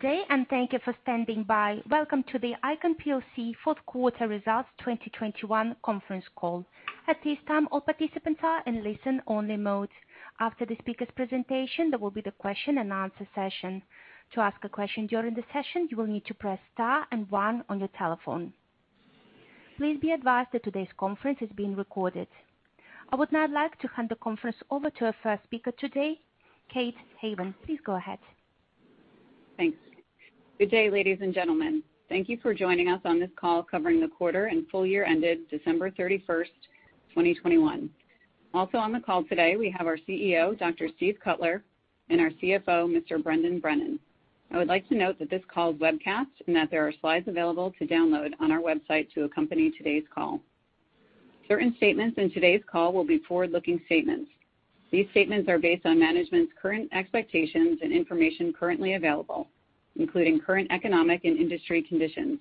Good day, and thank you for standing by. Welcome to the ICON plc Q4 Results 2021 conference call. At this time, all participants are in listen-only mode. After the speaker's presentation, there will be the question-and-answer session. To ask a question during the session, you will need to press Star and One on your telephone. Please be advised that today's conference is being recorded. I would now like to hand the conference over to our first speaker today, Kate Haven. Please go ahead. Thanks. Good day, ladies and gentlemen. Thank you for joining us on this call covering the quarter and full year ended December 31, 2021. Also on the call today, we have our CEO, Dr. Steve Cutler, and our CFO, Mr. Brendan Brennan. I would like to note that this call is webcast and that there are slides available to download on our website to accompany today's call. Certain statements in today's call will be forward-looking statements. These statements are based on management's current expectations and information currently available, including current economic and industry conditions.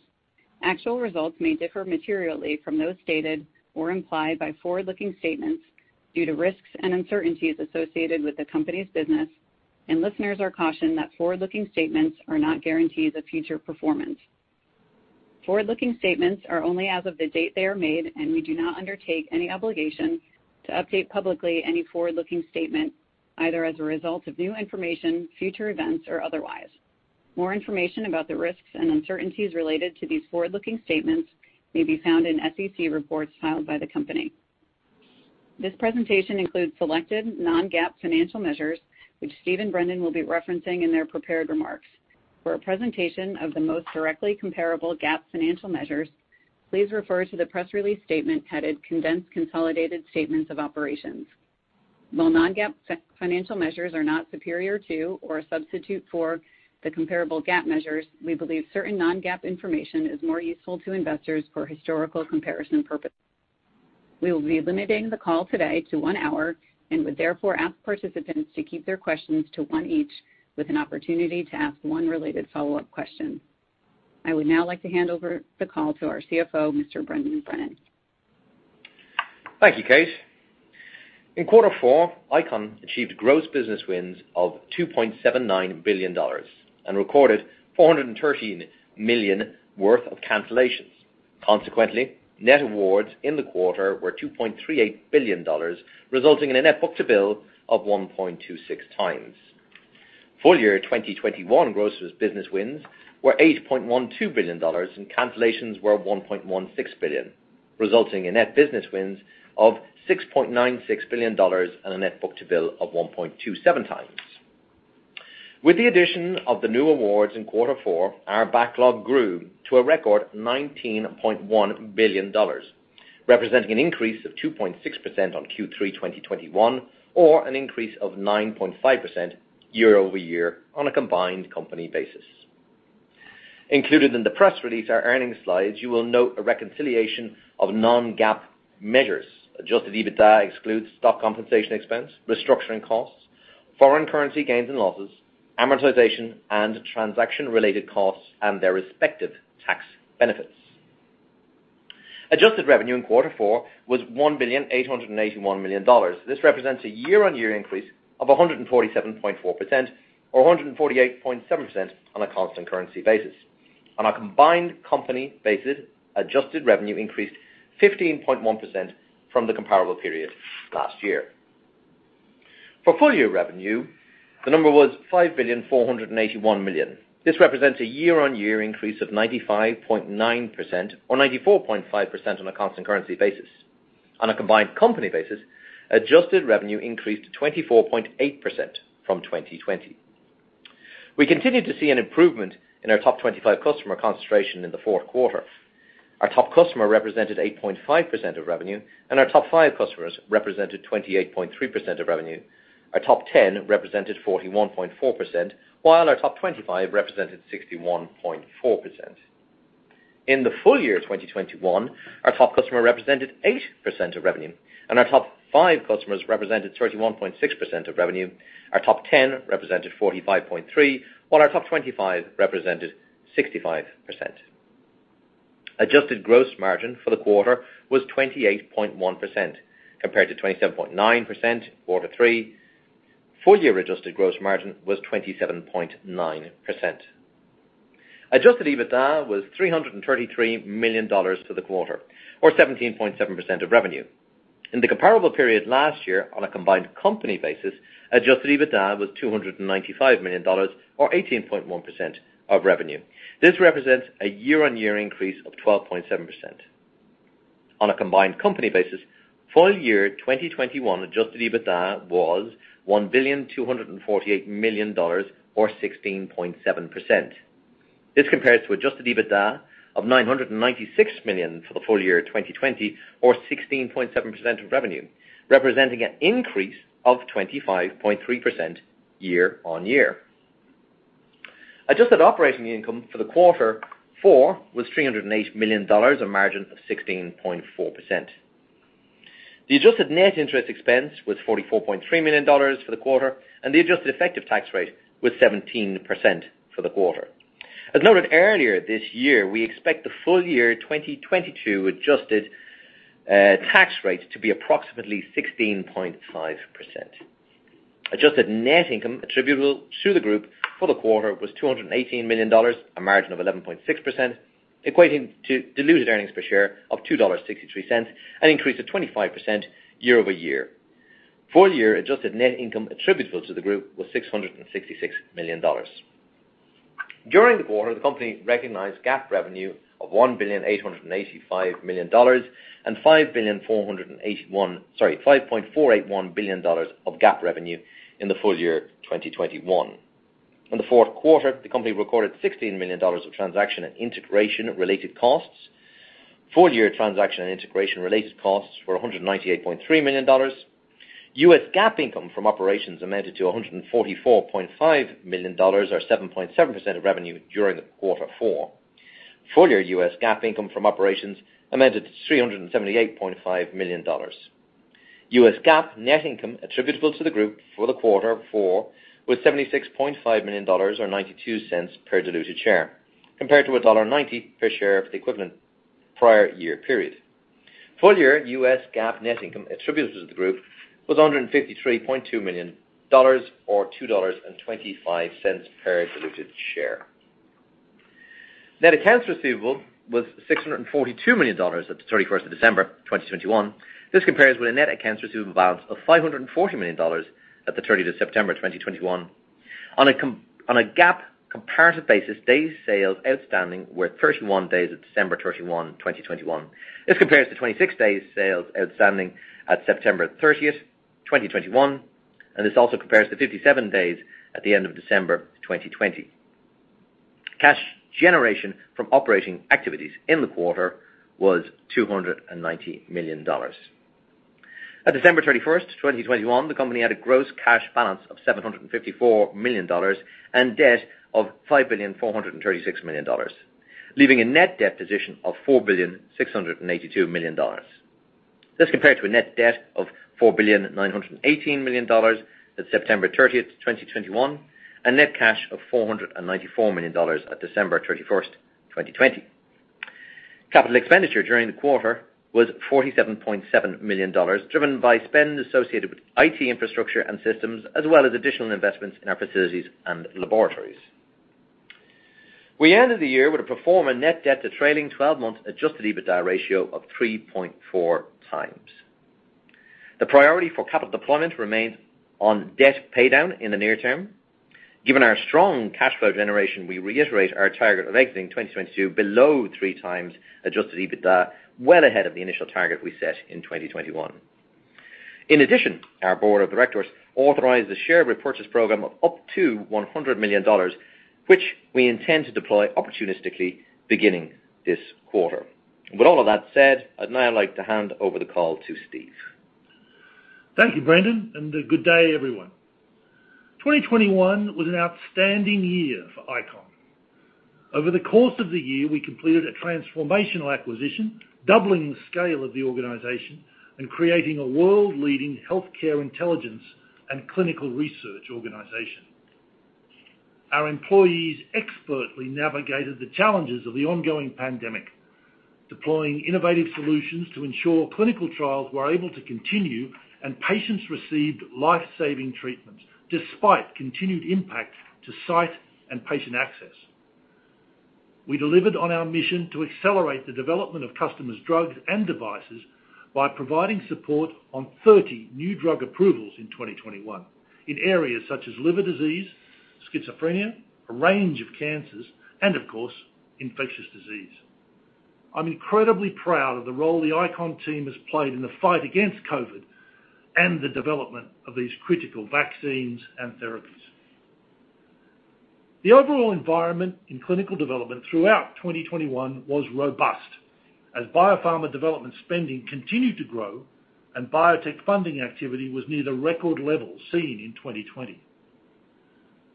Actual results may differ materially from those stated or implied by forward-looking statements due to risks and uncertainties associated with the company's business, and listeners are cautioned that forward-looking statements are not guarantees of future performance. Forward-looking statements are only as of the date they are made, and we do not undertake any obligation to update publicly any forward-looking statement, either as a result of new information, future events, or otherwise. More information about the risks and uncertainties related to these forward-looking statements may be found in SEC reports filed by the company. This presentation includes selected non-GAAP financial measures, which Steve and Brendan will be referencing in their prepared remarks. For a presentation of the most directly comparable GAAP financial measures, please refer to the press release statement headed Condensed Consolidated Statements of Operations. While non-GAAP financial measures are not superior to or a substitute for the comparable GAAP measures, we believe certain non-GAAP information is more useful to investors for historical comparison purposes. We will be limiting the call today to one hour and would therefore ask participants to keep their questions to one each with an opportunity to ask one related follow-up question. I would now like to hand over the call to our CFO, Mr. Brendan Brennan. Thank you, Kate. In quarter four, ICON achieved gross business wins of $2.79 billion and recorded $413 million worth of cancellations. Consequently, net awards in the quarter were $2.38 billion, resulting in a net book-to-bill of 1.26x. Full year 2021 gross business wins were $8.12 billion, and cancellations were $1.16 billion, resulting in net business wins of $6.96 billion and a net book-to-bill of 1.27x. With the addition of the new awards in quarter four, our backlog grew to a record $19.1 billion, representing an increase of 2.6% on Q3 2021 or an increase of 9.5% year-over-year on a combined company basis. Included in the press release are earnings slides. You will note a reconciliation of non-GAAP measures. Adjusted EBITDA excludes stock compensation expense, restructuring costs, foreign currency gains and losses, amortization, and transaction-related costs and their respective tax benefits. Adjusted revenue in quarter four was $1,881 million. This represents a year-on-year increase of 147.4% or 148.7% on a constant currency basis. On a combined company basis, adjusted revenue increased 15.1% from the comparable period last year. For full year revenue, the number was $5,481 million. This represents a year-on-year increase of 95.9% or 94.5% on a constant currency basis. On a combined company basis, adjusted revenue increased 24.8% from 2020. We continued to see an improvement in our top 25 customer concentration in the Q4. Our top customer represented 8.5% of revenue, and our top five customers represented 28.3% of revenue. Our top ten represented 41.4%, while our top 25 represented 61.4%. In the full year 2021, our top customer represented 8% of revenue, and our top five customers represented 31.6% of revenue. Our top ten represented 45.3%, while our top 25 represented 65%. Adjusted gross margin for the quarter was 28.1%, compared to 27.9% in quarter three. Full year adjusted gross margin was 27.9%. Adjusted EBITDA was $333 million for the quarter, or 17.7% of revenue. In the comparable period last year on a combined company basis, adjusted EBITDA was $295 million or 18.1% of revenue. This represents a year-on-year increase of 12.7%. On a combined company basis, full year 2021 adjusted EBITDA was $1,248 million or 16.7%. This compares to adjusted EBITDA of $996 million for the full year 2020 or 16.7% of revenue, representing an increase of 25.3% year-on-year. Adjusted operating income for quarter four was $308 million, a margin of 16.4%. The adjusted net interest expense was $44.3 million for the quarter, and the adjusted effective tax rate was 17% for the quarter. As noted earlier this year, we expect the full year 2022 adjusted tax rate to be approximately 16.5%. Adjusted net income attributable to the group for the quarter was $218 million, a margin of 11.6%, equating to diluted earnings per share of $2.63, an increase of 25% year-over-year. Full year adjusted net income attributable to the group was $666 million. During the quarter, the company recognized GAAP revenue of $1.885 billion and $5.481 billion of GAAP revenue in the full year 2021. In the Q4, the company recorded $16 million of transaction and integration related costs. Full year transaction and integration related costs were $198.3 million. U.S. GAAP income from operations amounted to $144.5 million or 7.7% of revenue during quarter four. Full year U.S. GAAP income from operations amounted to $378.5 million. U.S. GAAP net income attributable to the group for quarter four was $76.5 million or $0.92 per diluted share, compared to $1.90 per share for the equivalent prior year period. Full year U.S. GAAP net income attributable to the group was $153.2 million or $2.25 per diluted share. Net accounts receivable was $642 million at December 31, 2021. This compares with a net accounts receivable balance of $540 million at September 30, 2021. On a GAAP comparative basis, days sales outstanding were 31 days at December 31, 2021. This compares to 26 days sales outstanding at September 30, 2021, and this also compares to 57 days at the end of December 2020. Cash generation from operating activities in the quarter was $290 million. At December 31, 2021, the company had a gross cash balance of $754 million and debt of $5.436 billion, leaving a net debt position of $4.682 billion. This compared to a net debt of $4.918 billion at September 30, 2021, and net cash of $494 million at December 31, 2020. Capital expenditure during the quarter was $47.7 million, driven by spend associated with IT infrastructure and systems, as well as additional investments in our facilities and laboratories. We ended the year with a pro forma net debt to trailing twelve-month adjusted EBITDA ratio of 3.4x. The priority for capital deployment remains on debt paydown in the near term. Given our strong cash flow generation, we reiterate our target of exiting 2022 below 3x adjusted EBITDA, well ahead of the initial target we set in 2021. In addition, our board of directors authorized a share repurchase program of up to $100 million, which we intend to deploy opportunistically beginning this quarter. With all of that said, I'd now like to hand over the call to Steve. Thank you, Brendan, and good day, everyone. 2021 was an outstanding year for ICON. Over the course of the year, we completed a transformational acquisition, doubling the scale of the organization and creating a world-leading healthcare intelligence and clinical research organization. Our employees expertly navigated the challenges of the ongoing pandemic, deploying innovative solutions to ensure clinical trials were able to continue and patients received life-saving treatments despite continued impact to site and patient access. We delivered on our mission to accelerate the development of customers, drugs, and devices by providing support on 30 new drug approvals in 2021 in areas such as liver disease, schizophrenia, a range of cancers, and of course, infectious disease. I'm incredibly proud of the role the ICON team has played in the fight against COVID and the development of these critical vaccines and therapies. The overall environment in clinical development throughout 2021 was robust as biopharma development spending continued to grow and biotech funding activity was near the record levels seen in 2020.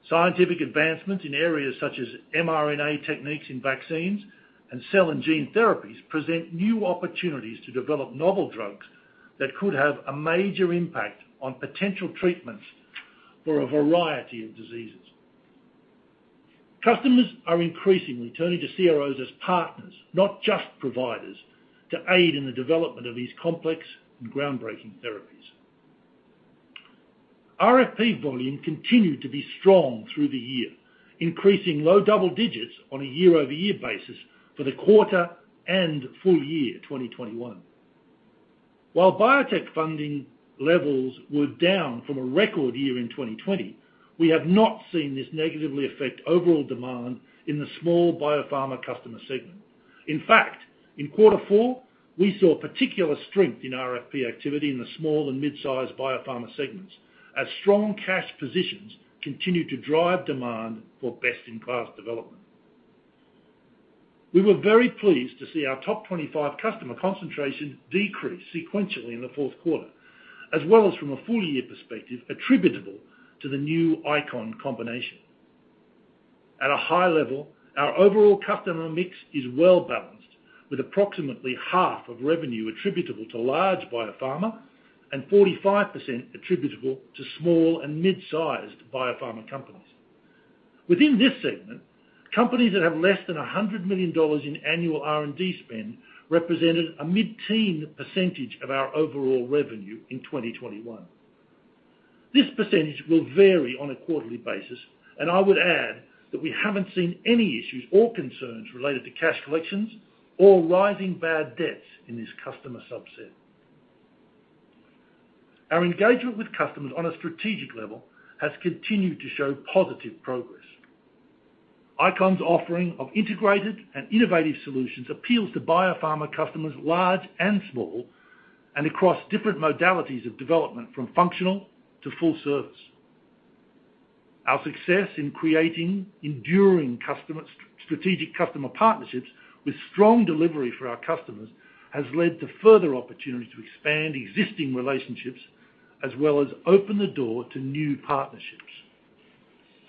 Scientific advancements in areas such as mRNA techniques in vaccines and cell and gene therapies present new opportunities to develop novel drugs that could have a major impact on potential treatments for a variety of diseases. Customers are increasingly turning to CROs as partners, not just providers, to aid in the development of these complex and groundbreaking therapies. RFP volume continued to be strong through the year, increasing low double digits on a year-over-year basis for the quarter and full year 2021. While biotech funding levels were down from a record year in 2020, we have not seen this negatively affect overall demand in the small biopharma customer segment. In fact, in quarter four, we saw particular strength in RFP activity in the small and mid-sized biopharma segments as strong cash positions continued to drive demand for best-in-class development. We were very pleased to see our top 25 customer concentration decrease sequentially in the Q4, as well as from a full year perspective attributable to the new ICON combination. At a high level, our overall customer mix is well-balanced, with approximately half of revenue attributable to large biopharma and 45% attributable to small and mid-sized biopharma companies. Within this segment, companies that have less than $100 million in annual R&D spend represented a mid-teen percentage of our overall revenue in 2021. This percentage will vary on a quarterly basis, and I would add that we haven't seen any issues or concerns related to cash collections or rising bad debts in this customer subset. Our engagement with customers on a strategic level has continued to show positive progress. ICON's offering of integrated and innovative solutions appeals to biopharma customers large and small and across different modalities of development, from functional to full service. Our success in creating enduring strategic customer partnerships with strong delivery for our customers has led to further opportunities to expand existing relationships as well as open the door to new partnerships.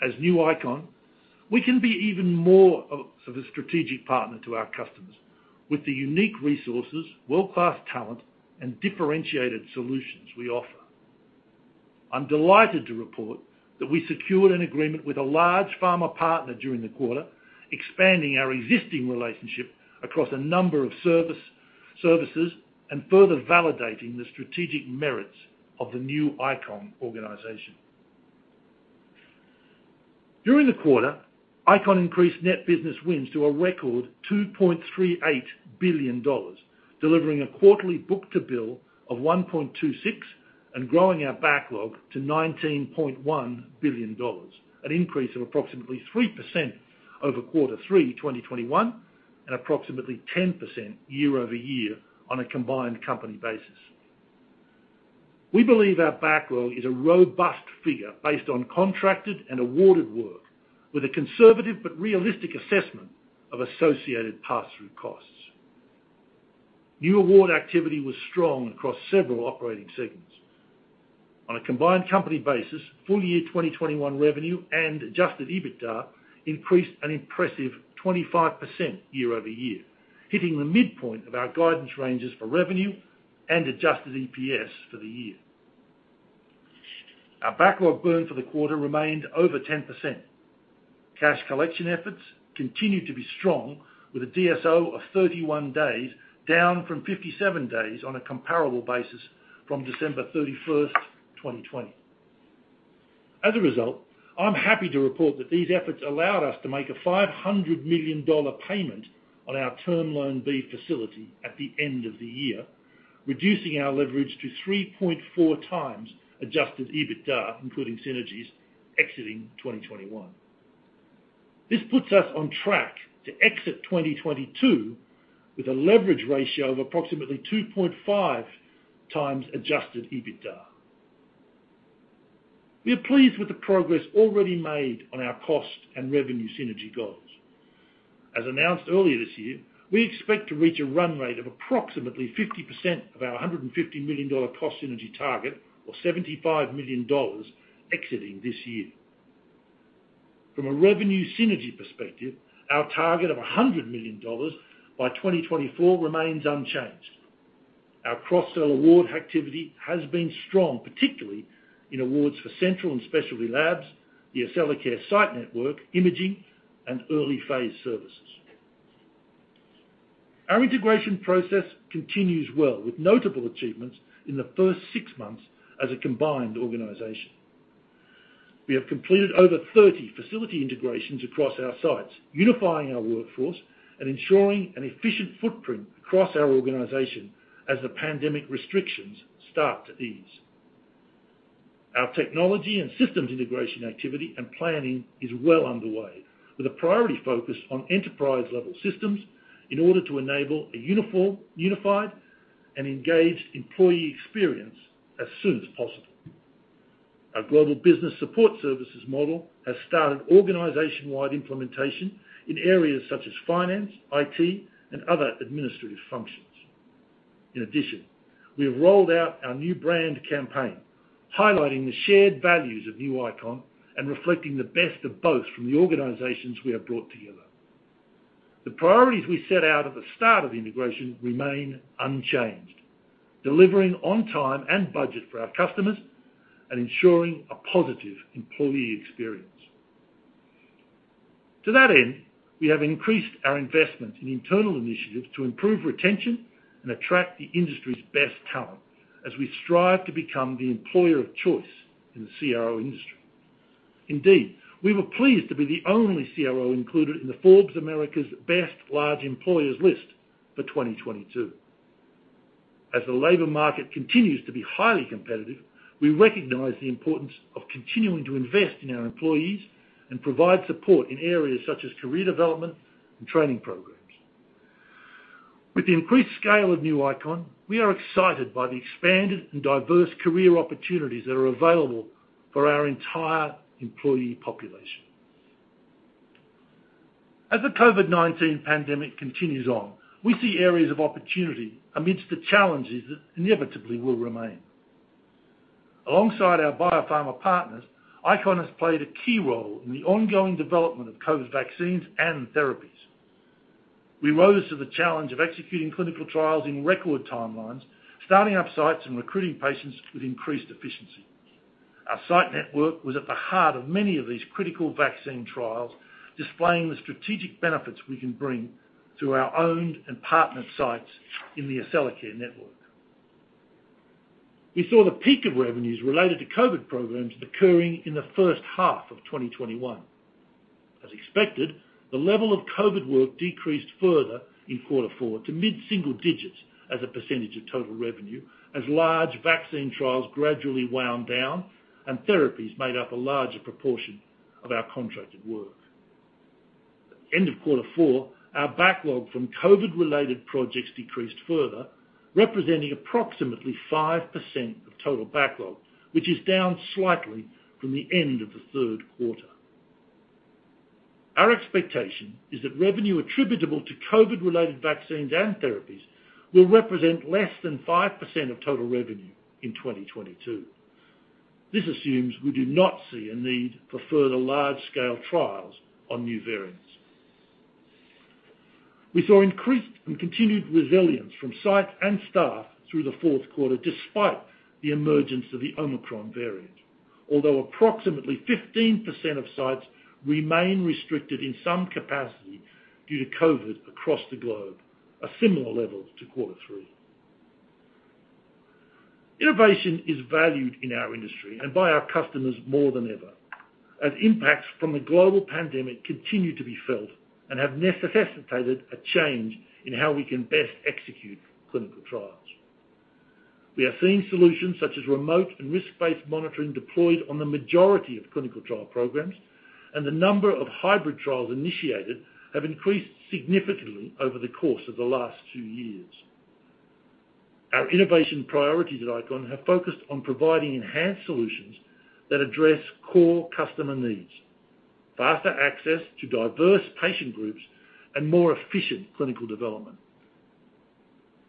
As new ICON, we can be even more of a strategic partner to our customers with the unique resources, world-class talent, and differentiated solutions we offer. I'm delighted to report that we secured an agreement with a large pharma partner during the quarter, expanding our existing relationship across a number of services and further validating the strategic merits of the new ICON organization. During the quarter, ICON increased net business wins to a record $2.38 billion, delivering a quarterly book-to-bill of 1.26 and growing our backlog to $19.1 billion, an increase of approximately 3% over quarter 3 2021 and approximately 10% year-over-year on a combined company basis. We believe our backlog is a robust figure based on contracted and awarded work with a conservative but realistic assessment of associated pass-through costs. New award activity was strong across several operating segments. On a combined company basis, full year 2021 revenue and adjusted EBITDA increased an impressive 25% year-over-year, hitting the midpoint of our guidance ranges for revenue and adjusted EPS for the year. Our backlog burn for the quarter remained over 10%. Cash collection efforts continued to be strong with a DSO of 31 days, down from 57 days on a comparable basis from December 31, 2020. As a result, I'm happy to report that these efforts allowed us to make a $500 million payment on our Term Loan B facility at the end of the year, reducing our leverage to 3.4 times adjusted EBITDA, including synergies exiting 2021. This puts us on track to exit 2022 with a leverage ratio of approximately 2.5 times adjusted EBITDA. We are pleased with the progress already made on our cost and revenue synergy goals. As announced earlier this year, we expect to reach a run rate of approximately 50% of our $150 million cost synergy target or $75 million exiting this year. From a revenue synergy perspective, our target of $100 million by 2024 remains unchanged. Our cross-sell award activity has been strong, particularly in awards for central and specialty labs, the Accellacare site network, imaging, and early phase services. Our integration process continues well with notable achievements in the first six months as a combined organization. We have completed over 30 facility integrations across our sites, unifying our workforce and ensuring an efficient footprint across our organization as the pandemic restrictions start to ease. Our technology and systems integration activity and planning is well underway with a priority focus on enterprise-level systems in order to enable a uniform, unified and engaged employee experience as soon as possible. Our global business support services model has started organization-wide implementation in areas such as finance, IT, and other administrative functions. In addition, we have rolled out our new brand campaign highlighting the shared values of New Icon and reflecting the best of both from the organizations we have brought together. The priorities we set out at the start of integration remain unchanged, delivering on time and budget for our customers and ensuring a positive employee experience. To that end, we have increased our investment in internal initiatives to improve retention and attract the industry's best talent as we strive to become the employer of choice in the CRO industry. Indeed, we were pleased to be the only CRO included in the Forbes America's Best Large Employers list for 2022. As the labor market continues to be highly competitive, we recognize the importance of continuing to invest in our employees and provide support in areas such as career development and training programs. With the increased scale of New ICON, we are excited by the expanded and diverse career opportunities that are available for our entire employee population. As the COVID-19 pandemic continues on, we see areas of opportunity amidst the challenges that inevitably will remain. Alongside our biopharma partners, ICON has played a key role in the ongoing development of COVID vaccines and therapies. We rose to the challenge of executing clinical trials in record timelines, starting up sites and recruiting patients with increased efficiency. Our site network was at the heart of many of these critical vaccine trials, displaying the strategic benefits we can bring to our owned and partner sites in the Accellacare network. We saw the peak of revenues related to COVID programs occurring in the H1 of 2021. As expected, the level of COVID work decreased further in quarter four to mid-single digits as a percentage of total revenue, as large vaccine trials gradually wound down and therapies made up a larger proportion of our contracted work. At the end of quarter four, our backlog from COVID-related projects decreased further, representing approximately 5% of total backlog, which is down slightly from the end of the Q3. Our expectation is that revenue attributable to COVID-related vaccines and therapies will represent less than 5% of total revenue in 2022. This assumes we do not see a need for further large-scale trials on new variants. We saw increased and continued resilience from sites and staff through the Q4, despite the emergence of the Omicron variant. Although approximately 15% of sites remain restricted in some capacity due to COVID across the globe, a similar level to quarter three. Innovation is valued in our industry and by our customers more than ever, as impacts from the global pandemic continue to be felt and have necessitated a change in how we can best execute clinical trials. We are seeing solutions such as remote and risk-based monitoring deployed on the majority of clinical trial programs, and the number of hybrid trials initiated have increased significantly over the course of the last two years. Our innovation priorities at Icon have focused on providing enhanced solutions that address core customer needs, faster access to diverse patient groups, and more efficient clinical development.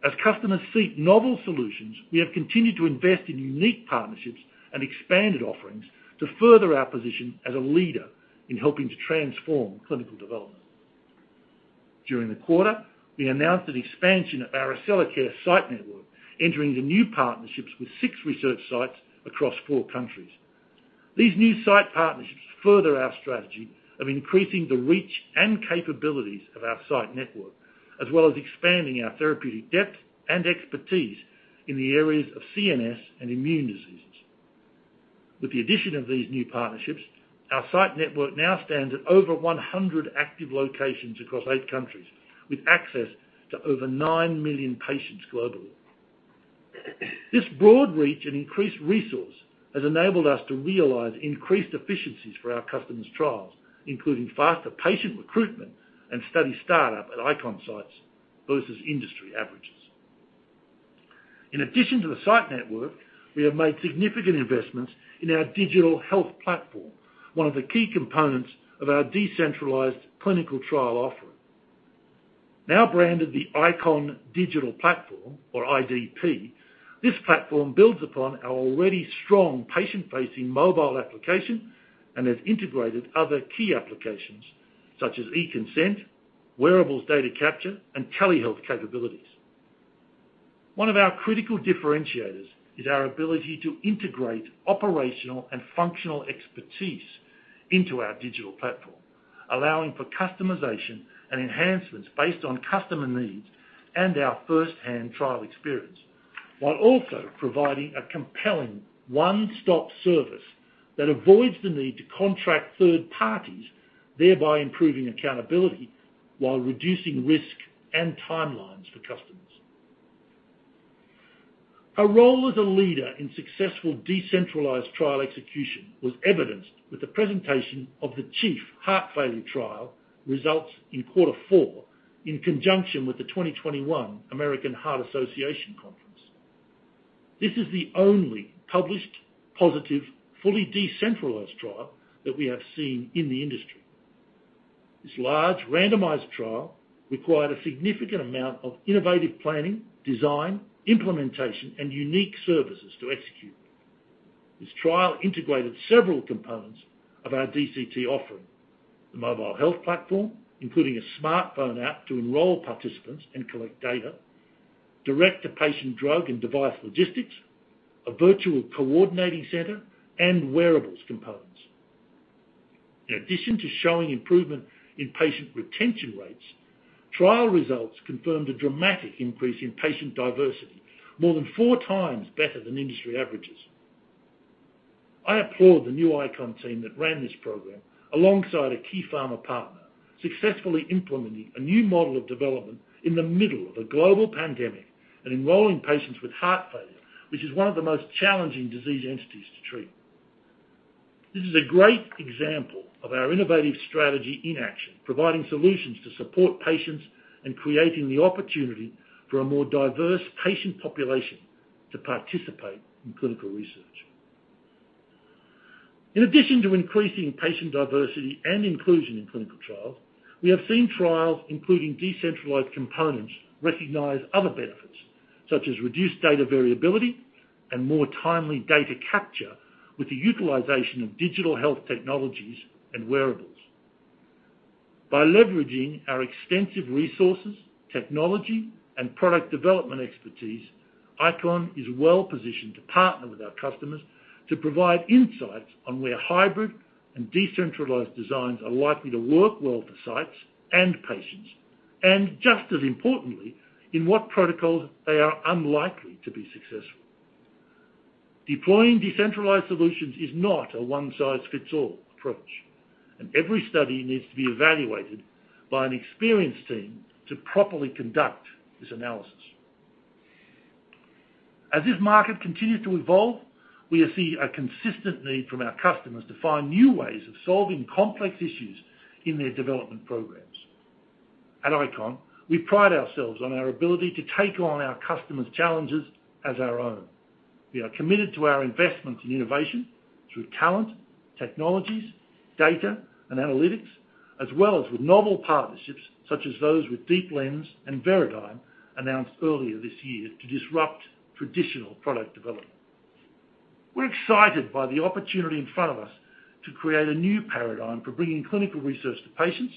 As customers seek novel solutions, we have continued to invest in unique partnerships and expanded offerings to further our position as a leader in helping to transform clinical development. During the quarter, we announced an expansion of our Accellacare site network, entering the new partnerships with six research sites across four countries. These new site partnerships further our strategy of increasing the reach and capabilities of our site network, as well as expanding our therapeutic depth and expertise in the areas of CNS and immune diseases. With the addition of these new partnerships, our site network now stands at over 100 active locations across eight countries with access to over 9 million patients globally. This broad reach and increased resource has enabled us to realize increased efficiencies for our customers' trials, including faster patient recruitment and study startup at ICON sites versus industry averages. In addition to the site network, we have made significant investments in our digital health platform, one of the key components of our decentralized clinical trial offering. Now branded the ICON Digital Platform or IDP, this platform builds upon our already strong patient-facing mobile application and has integrated other key applications such as e-consent, wearables data capture, and telehealth capabilities. One of our critical differentiators is our ability to integrate operational and functional expertise into our digital platform, allowing for customization and enhancements based on customer needs and our first-hand trial experience, while also providing a compelling one-stop service that avoids the need to contract third parties, thereby improving accountability while reducing risk and timelines for customers. Our role as a leader in successful decentralized trial execution was evidenced with the presentation of the CHIEF-HF trial results in quarter four in conjunction with the 2021 American Heart Association conference. This is the only published, positive, fully decentralized trial that we have seen in the industry. This large, randomized trial required a significant amount of innovative planning, design, implementation, and unique services to execute. This trial integrated several components of our DCT offering, the mobile health platform, including a smartphone app to enroll participants and collect data, direct-to-patient drug and device logistics, a virtual coordinating center, and wearables components. In addition to showing improvement in patient retention rates, trial results confirmed a dramatic increase in patient diversity, more than four times better than industry averages. I applaud the new ICON team that ran this program alongside a key pharma partner, successfully implementing a new model of development in the middle of a global pandemic and enrolling patients with heart failure, which is one of the most challenging disease entities to treat. This is a great example of our innovative strategy in action, providing solutions to support patients and creating the opportunity for a more diverse patient population to participate in clinical research. In addition to increasing patient diversity and inclusion in clinical trials, we have seen trials including decentralized components recognize other benefits. Such as reduced data variability and more timely data capture with the utilization of digital health technologies and wearables. By leveraging our extensive resources, technology, and product development expertise, ICON is well-positioned to partner with our customers to provide insights on where hybrid and decentralized designs are likely to work well for sites and patients, and just as importantly, in what protocols they are unlikely to be successful. Deploying decentralized solutions is not a one-size-fits-all approach, and every study needs to be evaluated by an experienced team to properly conduct this analysis. As this market continues to evolve, we see a consistent need from our customers to find new ways of solving complex issues in their development programs. At ICON, we pride ourselves on our ability to take on our customers' challenges as our own. We are committed to our investment in innovation through talent, technologies, data, and analytics, as well as with novel partnerships such as those with Deep Lens and Veradigm announced earlier this year to disrupt traditional product development. We're excited by the opportunity in front of us to create a new paradigm for bringing clinical research to patients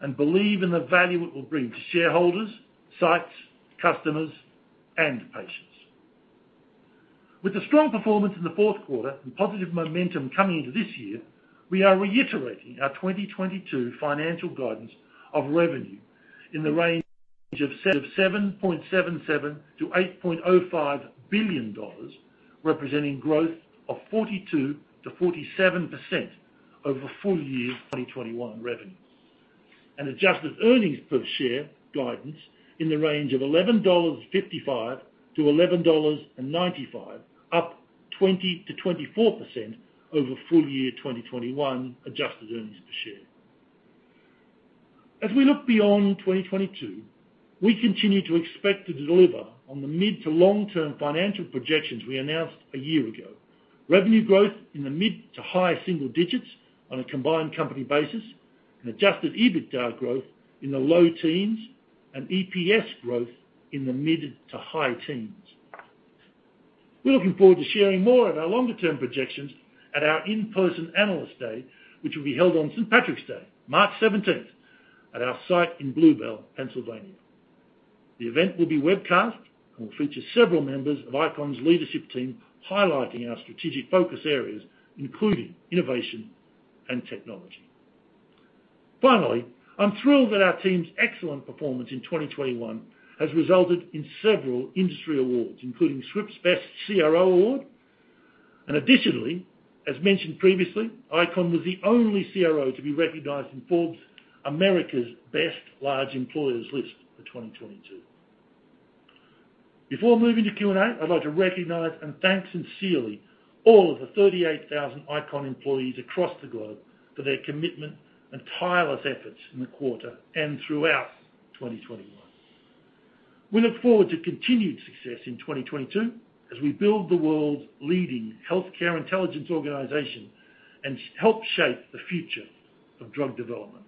and believe in the value it will bring to shareholders, sites, customers, and patients. With the strong performance in the Q4 and positive momentum coming into this year, we are reiterating our 2022 financial guidance of revenue in the range of $7.77 billion-$8.05 billion, representing growth of 42%-47% over full year 2021 revenue. Adjusted earnings per share guidance in the range of $11.55-$11.95, up 20%-24% over full year 2021 adjusted earnings per share. As we look beyond 2022, we continue to expect to deliver on the mid- to long-term financial projections we announced a year ago. Revenue growth in the mid- to high-single digits% on a combined company basis and adjusted EBITDA growth in the low teens% and EPS growth in the mid- to high-teens%. We're looking forward to sharing more of our longer term projections at our in-person Analyst Day, which will be held on St. Patrick's Day, March seventeenth, at our site in Blue Bell, Pennsylvania. The event will be webcast and will feature several members of ICON's leadership team highlighting our strategic focus areas, including innovation and technology. Finally, I'm thrilled that our team's excellent performance in 2021 has resulted in several industry awards, including Scrip's Best CRO Award. Additionally, as mentioned previously, ICON was the only CRO to be recognized in Forbes America's Best Large Employers List for 2022. Before moving to Q&A, I'd like to recognize and thank sincerely all of the 38,000 ICON employees across the globe for their commitment and tireless efforts in the quarter and throughout 2021. We look forward to continued success in 2022 as we build the world's leading healthcare intelligence organization and help shape the future of drug development.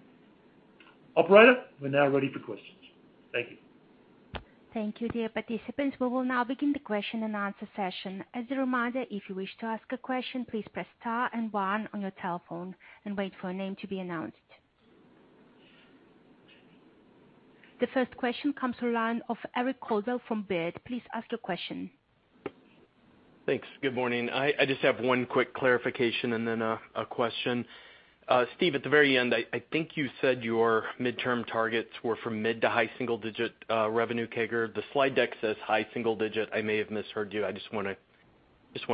Operator, we're now ready for questions. Thank you. Thank you, dear participants. We will now begin the question and answer session. As a reminder, if you wish to ask a question, please press star and one on your telephone and wait for a name to be announced. The first question comes from the line of Eric Coldwell from Baird. Please ask your question. Thanks. Good morning. I just have one quick clarification and then a question. Steve, at the very end, I think you said your midterm targets were from mid to high single digit revenue CAGR. The slide deck says high single digit. I may have misheard you. I just wanna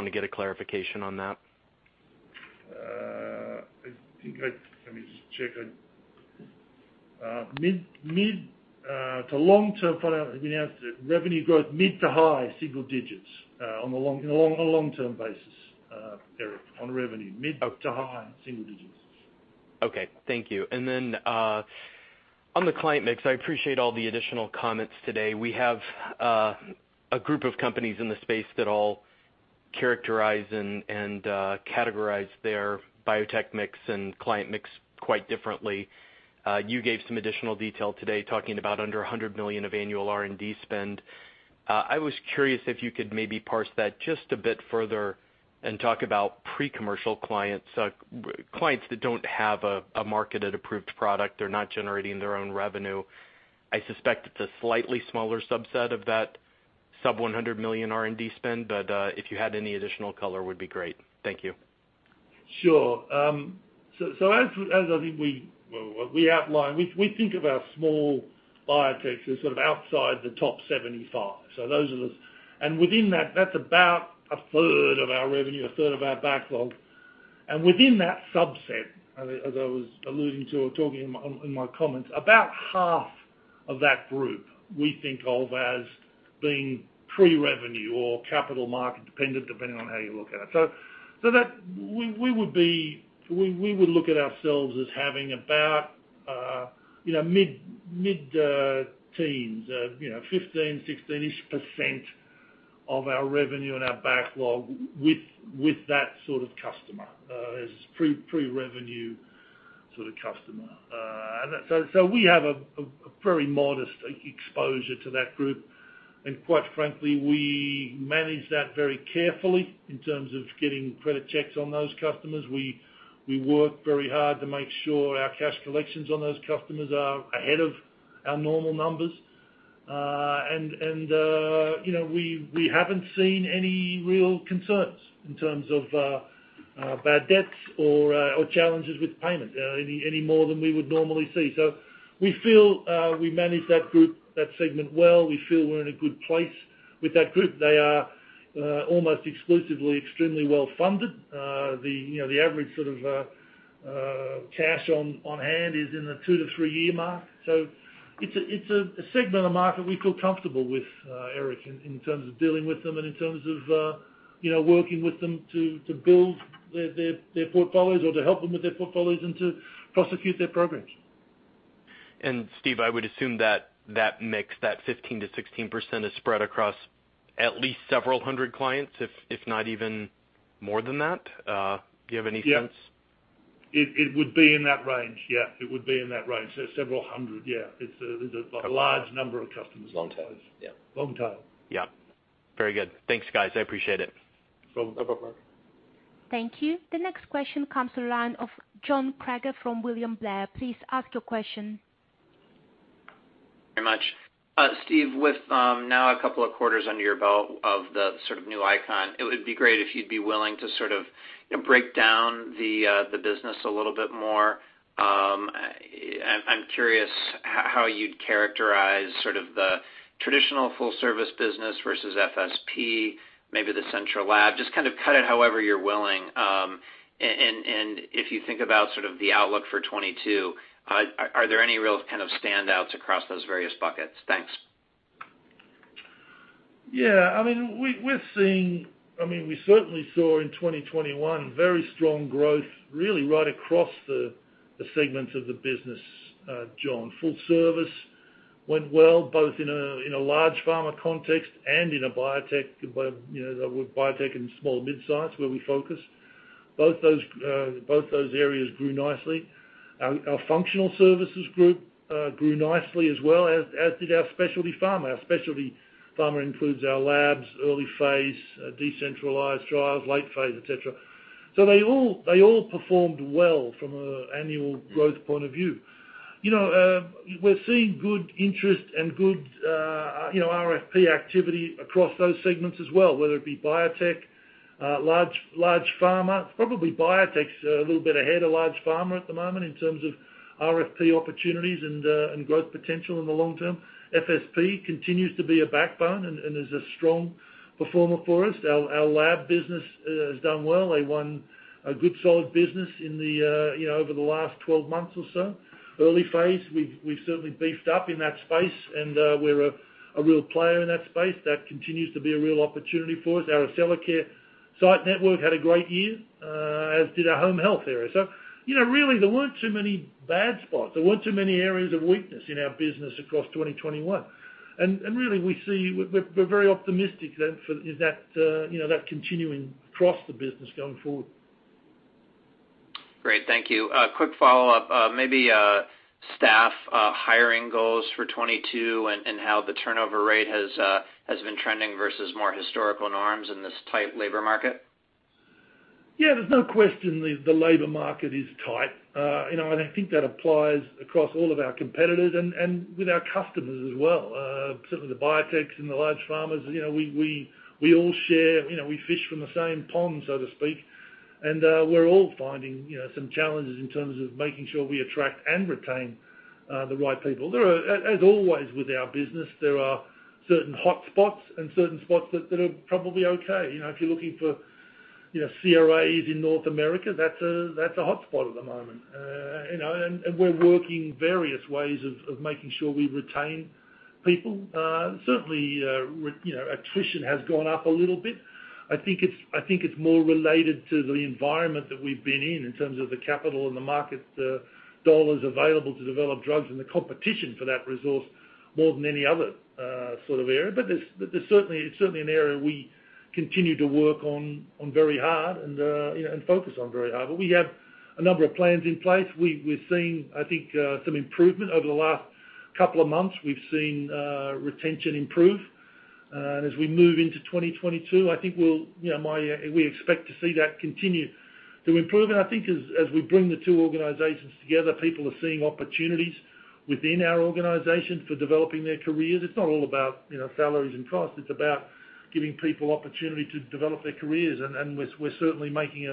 get a clarification on that. Let me just check. Mid- to long-term for that, we announced it. Revenue growth, mid- to high-single-digits, on a long-term basis, Eric, on revenue. Okay. Mid to high single digits. Okay, thank you. On the client mix, I appreciate all the additional comments today. We have a group of companies in the space that all characterize and categorize their biotech mix and client mix quite differently. You gave some additional detail today talking about under 100 million of annual R&D spend. I was curious if you could maybe parse that just a bit further and talk about pre-commercial clients. Clients that don't have a marketed approved product. They're not generating their own revenue. I suspect it's a slightly smaller subset of that sub 100 million R&D spend, but if you had any additional color would be great. Thank you. Sure, as I think we outlined, we think of our small biotechs as sort of outside the top 75. Those are the ones. Within that's about a third of our revenue, a third of our backlog. Within that subset, as I was alluding to or talking in my comments, about half of that group we think of as being pre-revenue or capital market dependent, depending on how you look at it. That. We would look at ourselves as having about mid-teens 15, 16-ish% of our revenue and our backlog with that sort of customer as pre-revenue sort of customer. We have a very modest exposure to that group. Quite frankly, we manage that very carefully in terms of getting credit checks on those customers. We work very hard to make sure our cash collections on those customers are ahead of our normal numbers. , we haven't seen any real concerns in terms of bad debts or challenges with payment any more than we would normally see. We feel we manage that group, that segment well. We feel we're in a good place with that group. They are almost exclusively extremely well-funded., the average sort of cash on hand is in the 2-3 year mark. It's a segment of market we feel comfortable with, Eric, in terms of dealing with them and in terms of working with them to build their portfolios or to help them with their portfolios and to prosecute their programs. Steve, I would assume that mix, that 15%-16% is spread across at least several hundred clients, if not even more than that. Do you have any sense? Yeah. It would be in that range. Yeah, it would be in that range. So several hundred, yeah. It's a large number of customers. Long tail, yeah. Long tail. Yeah. Very good. Thanks, guys. I appreciate it. No problem. Thank you. The next question comes from the line of John Kreger from William Blair. Please ask your question. Very much. Steve, with now a couple of quarters under your belt of the sort of new ICON, it would be great if you'd be willing to sort of break down the business a little bit more. I'm curious how you'd characterize sort of the traditional full service business versus FSP, maybe the central lab. Just kind of cut it however you're willing, and if you think about sort of the outlook for 2022, are there any real kind of standouts across those various buckets? Thanks. I mean, we certainly saw in 2021 very strong growth really right across the segments of the business, John. Full service went well, both in a large pharma context and in a biotech with biotech and small- to midsize where we focus. Both those areas grew nicely. Our functional services group grew nicely as well as did our specialty pharma. Our specialty pharma includes our labs, early phase, decentralized trials, late phase, et cetera. They all performed well from an annual growth point of view., we're seeing good interest and good RFP activity across those segments as well, whether it be biotech, large pharma. Probably biotech's a little bit ahead of large pharma at the moment in terms of RFP opportunities and growth potential in the long term. FSP continues to be a backbone and is a strong performer for us. Our lab business has done well. They won a good solid business over the last 12 months or so. Early phase, we've certainly beefed up in that space, and we're a real player in that space. That continues to be a real opportunity for us. Our Accellacare site network had a great year, as did our home health area. , really, there weren't too many bad spots. There weren't too many areas of weakness in our business across 2021. Really, we're very optimistic that that continuing across the business going forward. Great. Thank you. Quick follow-up. Maybe staff hiring goals for 2022 and how the turnover rate has been trending versus more historical norms in this tight labor market. Yeah, there's no question the labor market is tight., I think that applies across all of our competitors and with our customers as well. Certainly the biotechs and the large pharmas we all share we fish from the same pond, so to speak. We're all finding some challenges in terms of making sure we attract and retain the right people. There are, as always with our business, certain hotspots and certain spots that are probably okay., if you're looking for CRAs in North America, that's a hotspot at the moment., we're working various ways of making sure we retain people. certainly attrition has gone up a little bit. I think it's more related to the environment that we've been in terms of the capital and the market, dollars available to develop drugs and the competition for that resource more than any other sort of area. It's certainly an area we continue to work on very hard and focus on very hard. We have a number of plans in place. We're seeing, I think, some improvement. Over the last couple of months, we've seen retention improve. As we move into 2022, I think we'll we expect to see that continue to improve. I think as we bring the two organizations together, people are seeing opportunities within our organization for developing their careers. It's not all about salaries and costs, it's about giving people opportunity to develop their careers. We're certainly making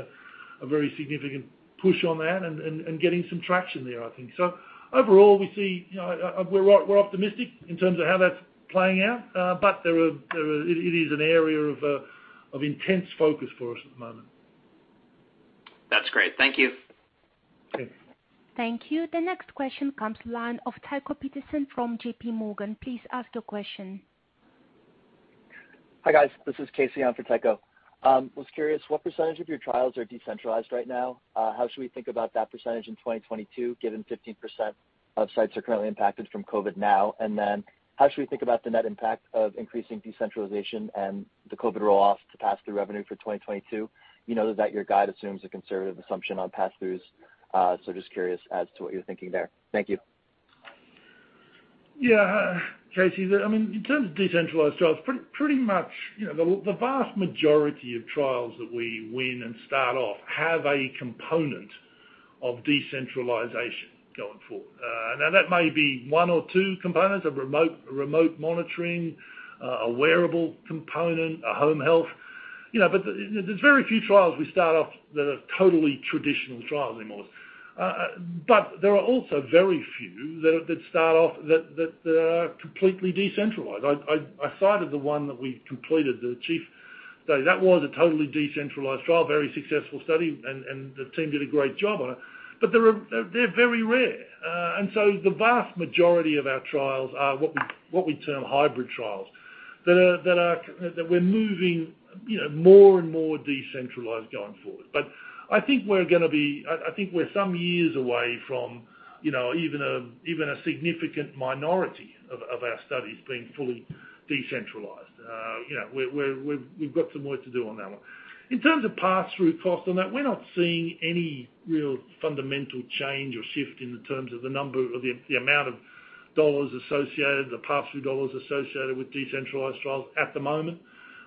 a very significant push on that and getting some traction there, I think. Overall, we see we're optimistic in terms of how that's playing out. It is an area of intense focus for us at the moment. That's great. Thank you. Okay. Thank you. The next question comes from the line of Tycho Peterson from J.P. Morgan. Please ask your question. Hi, guys. This is Casey on for Tycho. I was curious what percentage of your trials are decentralized right now? How should we think about that percentage in 2022, given 15% of sites are currently impacted from COVID now? How should we think about the net impact of increasing decentralization and the COVID roll-off to pass through revenue for 2022? that your guide assumes a conservative assumption on pass-throughs. Just curious as to what you're thinking there. Thank you. Yeah. Casey, I mean, in terms of decentralized trials, pretty much the vast majority of trials that we win and start off have a component of decentralization going forward. Now that may be one or two components of remote monitoring, a wearable component, a home health., but there's very few trials we start off that are totally traditional trials anymore. But there are also very few that start off that are completely decentralized. I cited the one that we completed, the CHIEF study. That was a totally decentralized trial, very successful study and the team did a great job on it. They're very rare. The vast majority of our trials are what we term hybrid trials that are. That we're moving more and more decentralized going forward. I think we're some years away from even a significant minority of our studies being fully decentralized., we've got some work to do on that one. In terms of pass-through costs on that, we're not seeing any real fundamental change or shift in terms of the amount of dollars associated, the pass-through dollars associated with decentralized trials at the moment.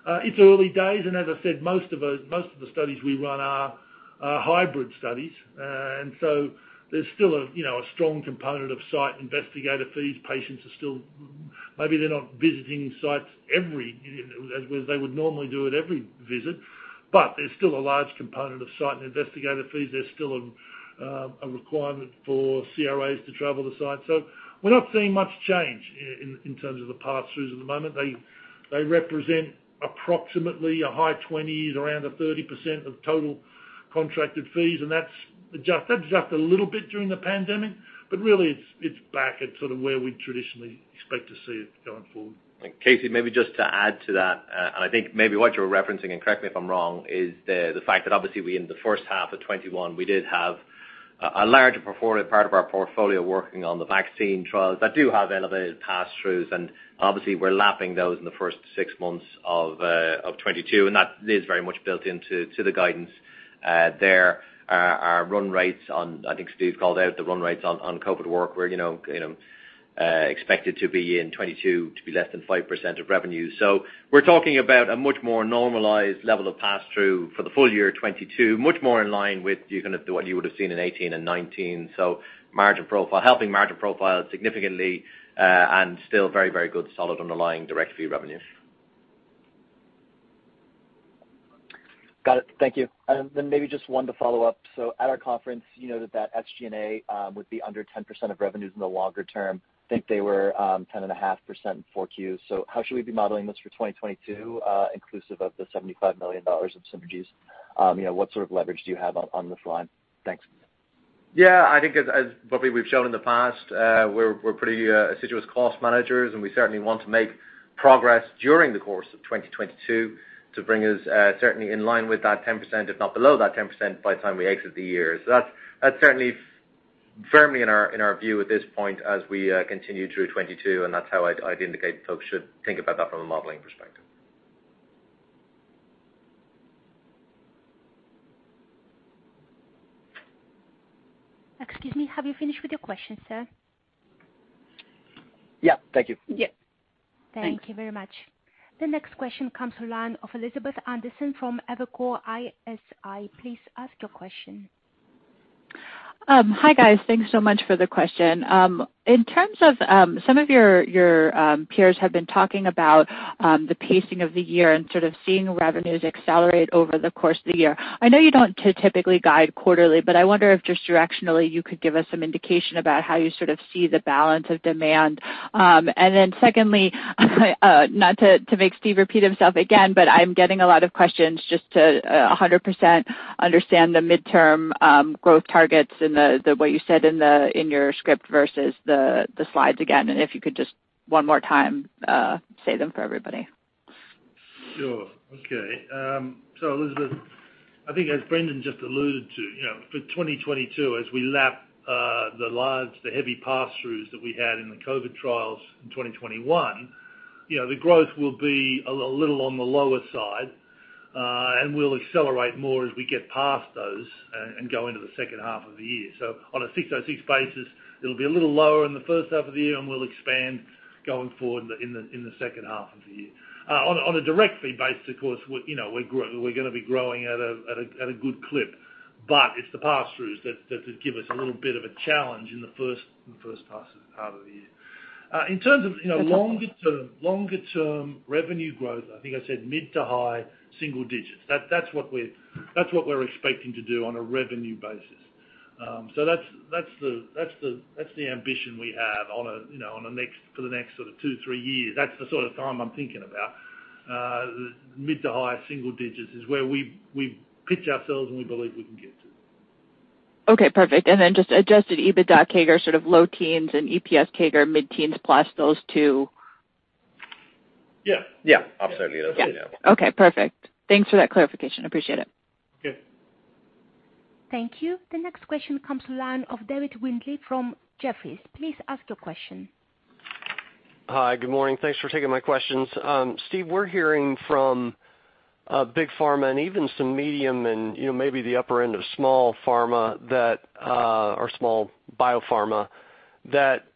It's early days and as I said, most of the studies we run are hybrid studies. There's still a strong component of site investigator fees. Patients are still... Maybe they're not visiting sites as they would normally do at every visit, but there's still a large component of site and investigator fees. There's still a requirement for CRAs to travel the site. We're not seeing much change in terms of the pass-throughs at the moment. They represent approximately a high 20s around 30% of total contracted fees, and that's adjusted a little bit during the pandemic, but really it's back at sort of where we traditionally expect to see it going forward. Casey, maybe just to add to that, and I think maybe what you're referencing, and correct me if I'm wrong, is the fact that obviously we in the H1 of 2021, we did have a large portfolio, part of our portfolio working on the vaccine trials that do have elevated pass-throughs. Obviously we're lapping those in the first six months of 2022, and that is very much built into the guidance. There are run rates on. I think Steve called out the run rates on COVID work where expected to be in 2022 to be less than 5% of revenue. We're talking about a much more normalized level of pass-through for the full year of 2022. Much more in line with what you would've seen in 2018 and 2019. Margin profile, helping margin profile significantly, and still very, very good solid underlying direct fee revenues. Got it. Thank you. Maybe just one to follow up. At our conference, you noted that SG&A would be under 10% of revenues in the longer term. Think they were 10.5% in 4Q. How should we be modeling this for 2022, inclusive of the $75 million of synergies?, what sort of leverage do you have on this line? Thanks. Yeah, I think as probably we've shown in the past, we're pretty assiduous cost managers, and we certainly want to make progress during the course of 2022 to bring us certainly in line with that 10%, if not below that 10% by the time we exit the year. That's certainly firmly in our view at this point as we continue through 2022, and that's how I'd indicate folks should think about that from a modeling perspective. Excuse me. Have you finished with your questions, sir? Yeah. Thank you. Yeah. Thanks. Thank you very much. The next question comes from the line of Elizabeth Anderson from Evercore ISI. Please ask your question. Hi, guys. Thanks so much for the question. In terms of, some of your peers have been talking about, the pacing of the year and sort of seeing revenues accelerate over the course of the year. I know you don't typically guide quarterly, but I wonder if just directionally you could give us some indication about how you sort of see the balance of demand. Secondly, not to make Steve repeat himself again, but I'm getting a lot of questions just to 100% understand the midterm growth targets and the what you said in your script versus the slides again, and if you could just one more time say them for everybody. Sure. Okay. Elizabeth, I think as Brendan just alluded to for 2022, as we lap the large, the heavy pass-throughs that we had in the COVID trials in 2021 the growth will be a little on the lower side, and we'll accelerate more as we get past those and go into the H2 of the year. On a ASC 606 basis, it'll be a little lower in the H1 of the year, and we'll expand going forward in the H2 of the year. On a direct fee basis of course we we're gonna be growing at a good clip. It's the pass-throughs that give us a little bit of a challenge in the H1 of the year. In terms of longer-term revenue growth, I think I said mid- to high-single digits. That's what we're expecting to do on a revenue basis. That's the ambition we have on a for the next sort of two, three years. That's the sort of time I'm thinking about. Mid- to high-single digits is where we've pitched ourselves and we believe we can get to. Okay, perfect. Just adjusted EBITDA CAGR sort of low teens and EPS CAGR mid-teens plus those two. Yeah. Let's get those two now. Yeah. Okay, perfect. Thanks for that clarification. Appreciate it. Good. Thank you. The next question comes to the line of David Windley from Jefferies. Please ask your question. Hi. Good morning. Thanks for taking my questions. Steve, we're hearing from big pharma and even some medium and maybe the upper end of small pharma or small biopharma that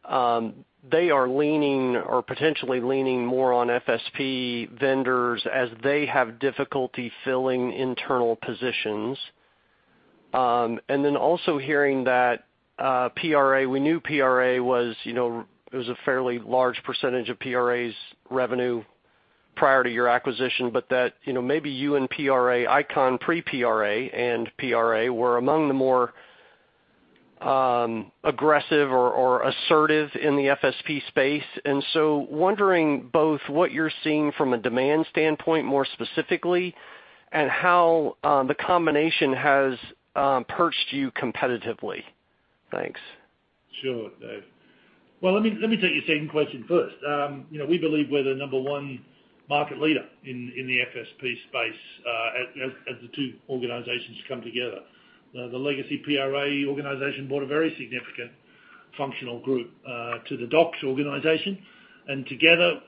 they are leaning or potentially leaning more on FSP vendors as they have difficulty filling internal positions. Also hearing that PRA, we knew PRA was it was a fairly large percentage of PRA's revenue prior to your acquisition, but that maybe you and PRA, ICON pre-PRA and PRA were among the more aggressive or assertive in the FSP space. Wondering both what you're seeing from a demand standpoint more specifically and how the combination has positioned you competitively. Thanks. Sure, Dave. Well, let me take your second question first., we believe we're the number one market leader in the FSP space, as the two organizations come together. The legacy PRA organization brought a very significant functional group to the ICON organization. together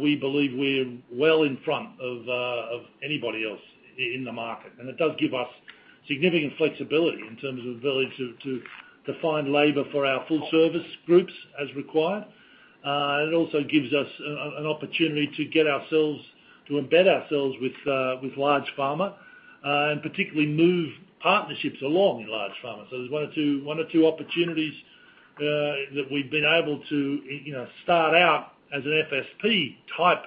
we believe we're well in front of anybody else in the market. It does give us significant flexibility in terms of ability to find labor for our full service groups as required. It also gives us an opportunity to get ourselves to embed ourselves with large pharma, and particularly move partnerships along in large pharma. There's one or two opportunities that we've been able to start out as an FSP type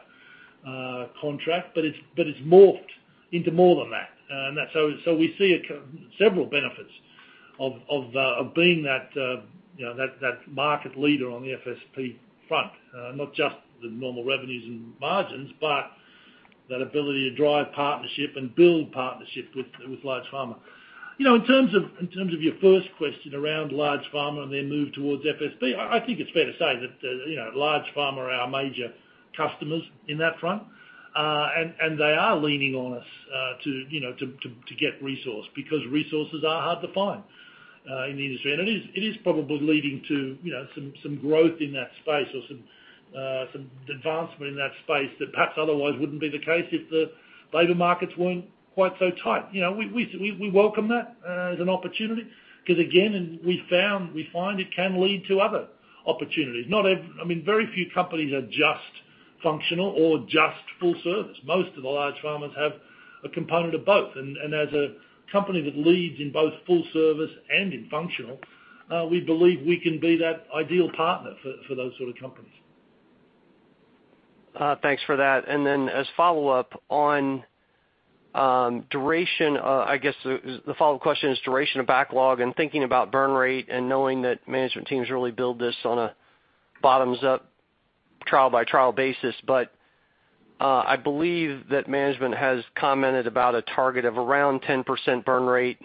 contract, but it's morphed into more than that. We see several benefits of being that that market leader on the FSP front, not just the normal revenues and margins, but that ability to drive partnership and build partnership with large pharma., in terms of your first question around large pharma and their move towards FSP, I think it's fair to say that, large pharma are our major customers in that front, and they are leaning on us to get resource because resources are hard to find in the industry. It is probably leading to some growth in that space or some advancement in that space that perhaps otherwise wouldn't be the case if the labor markets weren't quite so tight., we welcome that as an opportunity because again, we find it can lead to other opportunities. I mean, very few companies are just functional or just full service. Most of the large pharmas have a component of both. As a company that leads in both full service and in functional, we believe we can be that ideal partner for those sort of companies. Thanks for that. As follow-up on duration, I guess the follow-up question is duration of backlog and thinking about burn rate and knowing that management teams really build this on a bottoms-up trial by trial basis. I believe that management has commented about a target of around 10% burn rate.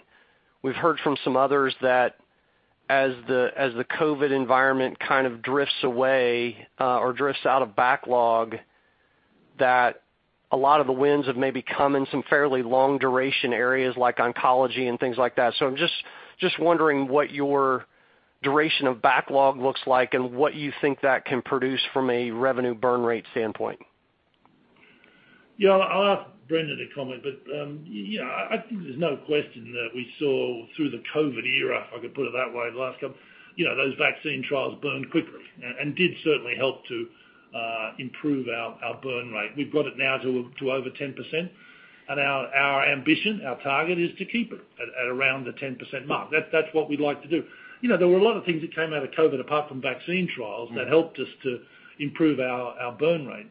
We've heard from some others that as the COVID environment kind of drifts away or drifts out of backlog, that a lot of the wins have maybe come in some fairly long duration areas like oncology and things like that. I'm just wondering what your duration of backlog looks like and what you think that can produce from a revenue burn rate standpoint. Yeah. I'll ask Brendan to comment, but yeah, I think there's no question that we saw through the COVID era, if I could put it that way, the last couple those vaccine trials burned quickly and did certainly help to improve our burn rate. We've got it now to over 10%. Our ambition, our target is to keep it at around the 10% mark. That's what we'd like to do. , there were a lot of things that came out of COVID apart from vaccine trials that helped us to improve our burn rate,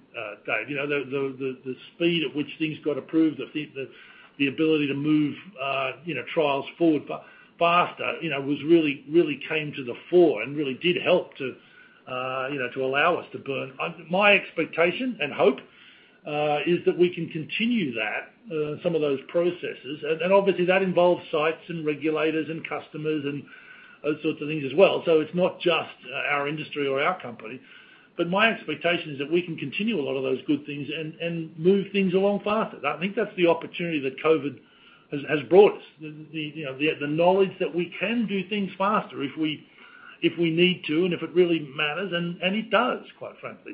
Dave., the speed at which things got approved, the ability to move trials forward faster was really came to the fore and really did help to to allow us to burn. My expectation and hope is that we can continue that, some of those processes, and obviously that involves sites and regulators and customers and those sorts of things as well. It's not just our industry or our company, but my expectation is that we can continue a lot of those good things and move things along faster. I think that's the opportunity that COVID has brought us, the knowledge that we can do things faster if we need to, and if it really matters. It does, quite frankly.,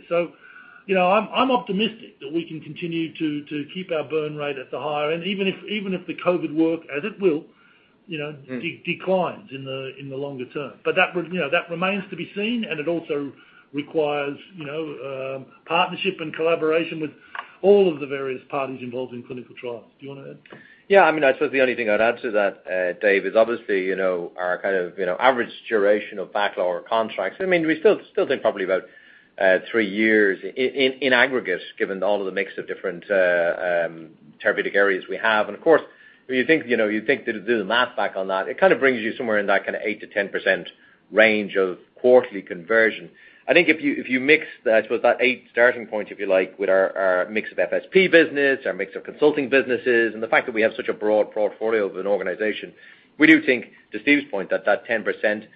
I'm optimistic that we can continue to keep our burn rate at the higher end, even if the COVID work, as it will declines in the longer term. That remains to be seen, and it also requires partnership and collaboration with all of the various parties involved in clinical trials. Do you wanna add? Yeah, I mean, I suppose the only thing I'd add to that, Dave, is obviously our kind of average duration of backlog or contracts. I mean, we still think probably about three years in aggregate, given all of the mix of different therapeutic areas we have. Of course, when you think you think to do the math back on that, it kind of brings you somewhere in that kind of 8%-10% range of quarterly conversion. I think if you mix that, I suppose, 8% starting point, if you like, with our mix of FSP business, our mix of consulting businesses, and the fact that we have such a broad portfolio of an organization, we do think, to Steve's point, that 10%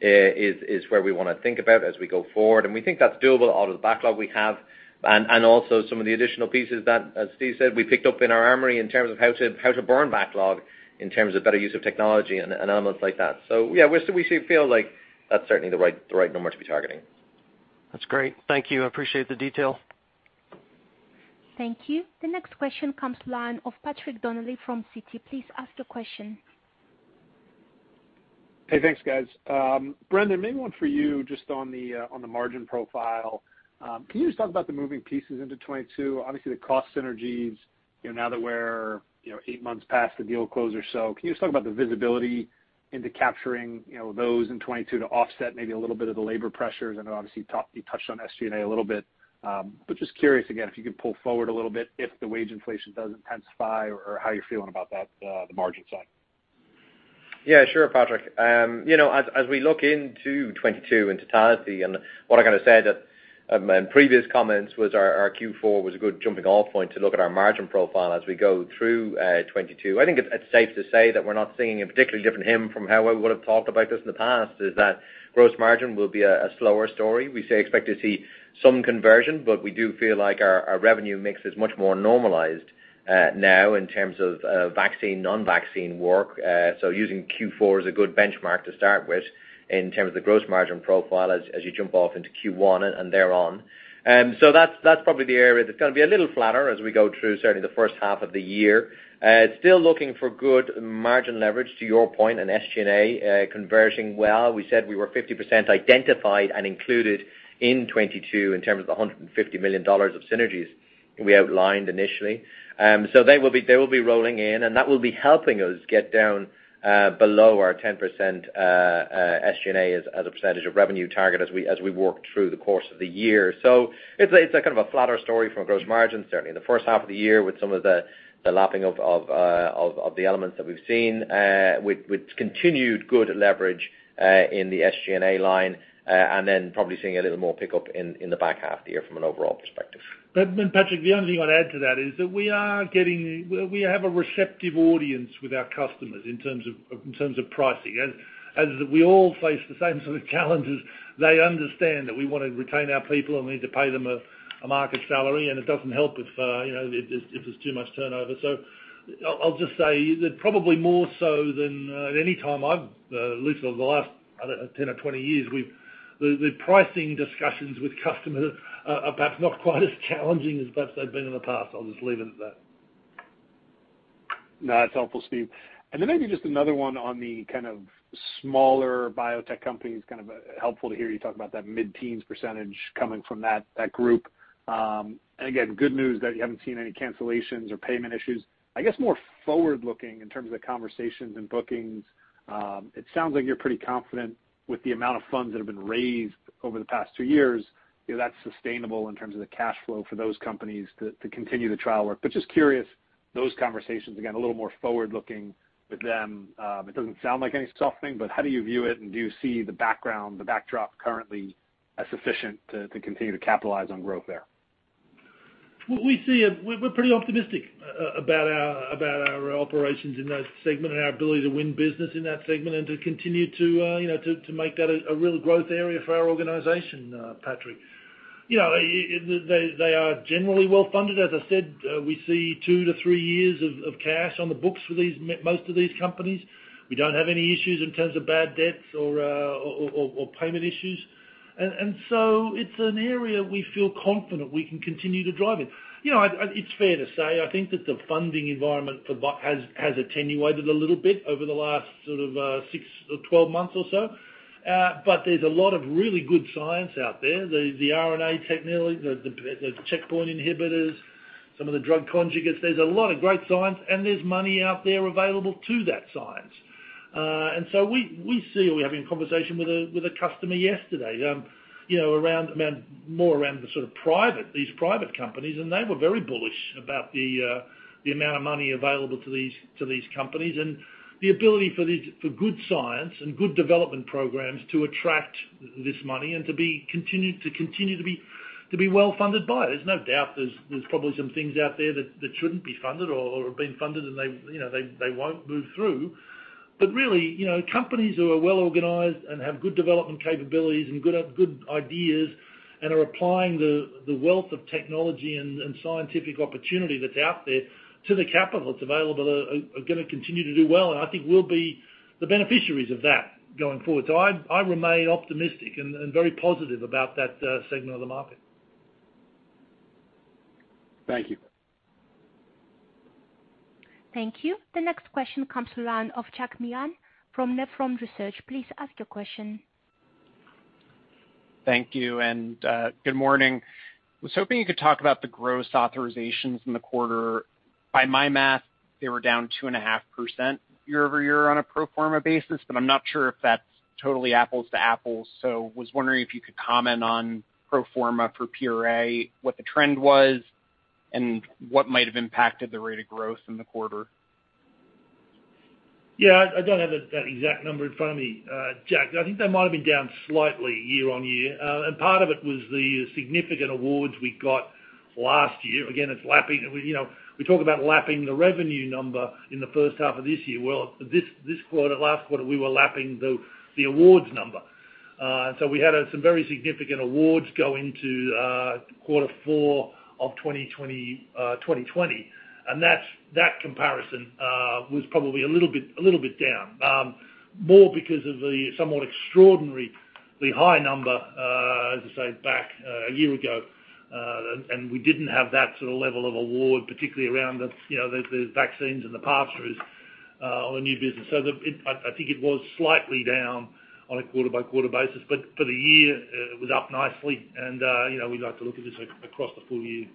is where we wanna think about as we go forward. We think that's doable out of the backlog we have. Also some of the additional pieces that, as Steve said, we picked up in our armory in terms of how to burn backlog in terms of better use of technology and elements like that. Yeah, we feel like that's certainly the right number to be targeting. That's great. Thank you. I appreciate the detail. Thank you. The next question comes from the line of Patrick Donnelly from Citi. Please ask your question. Hey, thanks guys. Brendan, maybe one for you just on the margin profile. Can you just talk about the moving pieces into 2022? Obviously, the cost synergies now that we're eight months past the deal close or so, can you just talk about the visibility into capturing those in 2022 to offset maybe a little bit of the labor pressures? I know obviously you touched on SG&A a little bit. Just curious again, if you could pull forward a little bit, if the wage inflation does intensify or how you're feeling about that, the margin side. Yeah, sure, Patrick., as we look into 2022 in totality, and what I kinda said that in previous comments was our Q4 was a good jumping off point to look at our margin profile as we go through 2022. I think it's safe to say that we're not seeing a particularly different one from how I would've talked about this in the past, that gross margin will be a slower story. We expect to see some conversion, but we do feel like our revenue mix is much more normalized now in terms of vaccine, non-vaccine work. Using Q4 is a good benchmark to start with in terms of the gross margin profile as you jump off into Q1 and thereon. That's probably the area that's gonna be a little flatter as we go through certainly the H1 of the year. Still looking for good margin leverage to your point in SG&A, converging well. We said we were 50% identified and included in 2022 in terms of the $150 million of synergies we outlined initially. They will be rolling in, and that will be helping us get down below our 10% SG&A as a percentage of revenue target as we work through the course of the year. It's kind of a flatter story from a gross margin, certainly in the H1 of the year with some of the lapping of the elements that we've seen with continued good leverage in the SG&A line. Probably seeing a little more pickup in the back half of the year from an overall perspective. Patrick, the only thing I'd add to that is that we have a receptive audience with our customers in terms of pricing. As we all face the same sort of challenges, they understand that we wanna retain our people and we need to pay them a market salary, and it doesn't help if, if there's too much turnover. I'll just say that probably more so than at any time I've at least over the last, I don't know, 10 or 20 years, we've the pricing discussions with customers are perhaps not quite as challenging as perhaps they've been in the past. I'll just leave it at that. No, that's helpful, Steve. Maybe just another one on the kind of smaller biotech companies, kind of, helpful to hear you talk about that mid-teens percentage coming from that group. Again, good news that you haven't seen any cancellations or payment issues. I guess more forward-looking in terms of conversations and bookings, it sounds like you're pretty confident with the amount of funds that have been raised over the past two years that's sustainable in terms of the cash flow for those companies to continue the trial work. Just curious, those conversations, again, a little more forward-looking with them. It doesn't sound like any softening, but how do you view it, and do you see the background, the backdrop currently as sufficient to continue to capitalize on growth there? We see it. We're pretty optimistic about our operations in that segment and our ability to win business in that segment and to continue to to make that a real growth area for our organization, Patrick. they are generally well-funded. As I said, we see two-three years of cash on the books for most of these companies. We don't have any issues in terms of bad debts or payment issues. It's an area we feel confident we can continue to drive in., it's fair to say, I think that the funding environment for biotech has attenuated a little bit over the last sort of 6 or 12 months or so. There's a lot of really good science out there. The RNA technology, the checkpoint inhibitors, some of the drug conjugates, there's a lot of great science, and there's money out there available to that science. We see. We're having a conversation with a customer yesterday around man, more around the sort of private, these private companies, and they were very bullish about the amount of money available to these companies, and the ability for good science and good development programs to attract this money and to continue to be well-funded by. There's no doubt there's probably some things out there that shouldn't be funded or have been funded and they they won't move through. really companies who are well-organized and have good development capabilities and good ideas and are applying the wealth of technology and scientific opportunity that's out there to the capital that's available are gonna continue to do well. I think we'll be the beneficiaries of that going forward. I remain optimistic and very positive about that segment of the market. Thank you. Thank you. The next question comes from the line of Jack Meehan from Nephron Research. Please ask your question. Thank you, and good morning. I was hoping you could talk about the gross authorizations in the quarter. By my math, they were down 2.5% year-over-year on a pro forma basis, but I'm not sure if that's totally apples to apples. I was wondering if you could comment on pro forma for PRA, what the trend was and what might have impacted the rate of growth in the quarter. Yeah. I don't have that exact number in front of me, Jack. I think they might have been down slightly year-on-year. Part of it was the significant awards we got last year. Again, it's lapping., we talk about lapping the revenue number in the H1 of this year. Well, this quarter, last quarter, we were lapping the awards number. We had some very significant awards go into quarter 4 of 2020, and that's that comparison was probably a little bit down. More because of the somewhat extraordinary high number, as I say back a year ago, and we didn't have that sort of level of award, particularly around the vaccines and the pass-throughs on the new business. I think it was slightly down on a quarter-by-quarter basis, but for the year, it was up nicely, and, we'd like to look at this across the full year.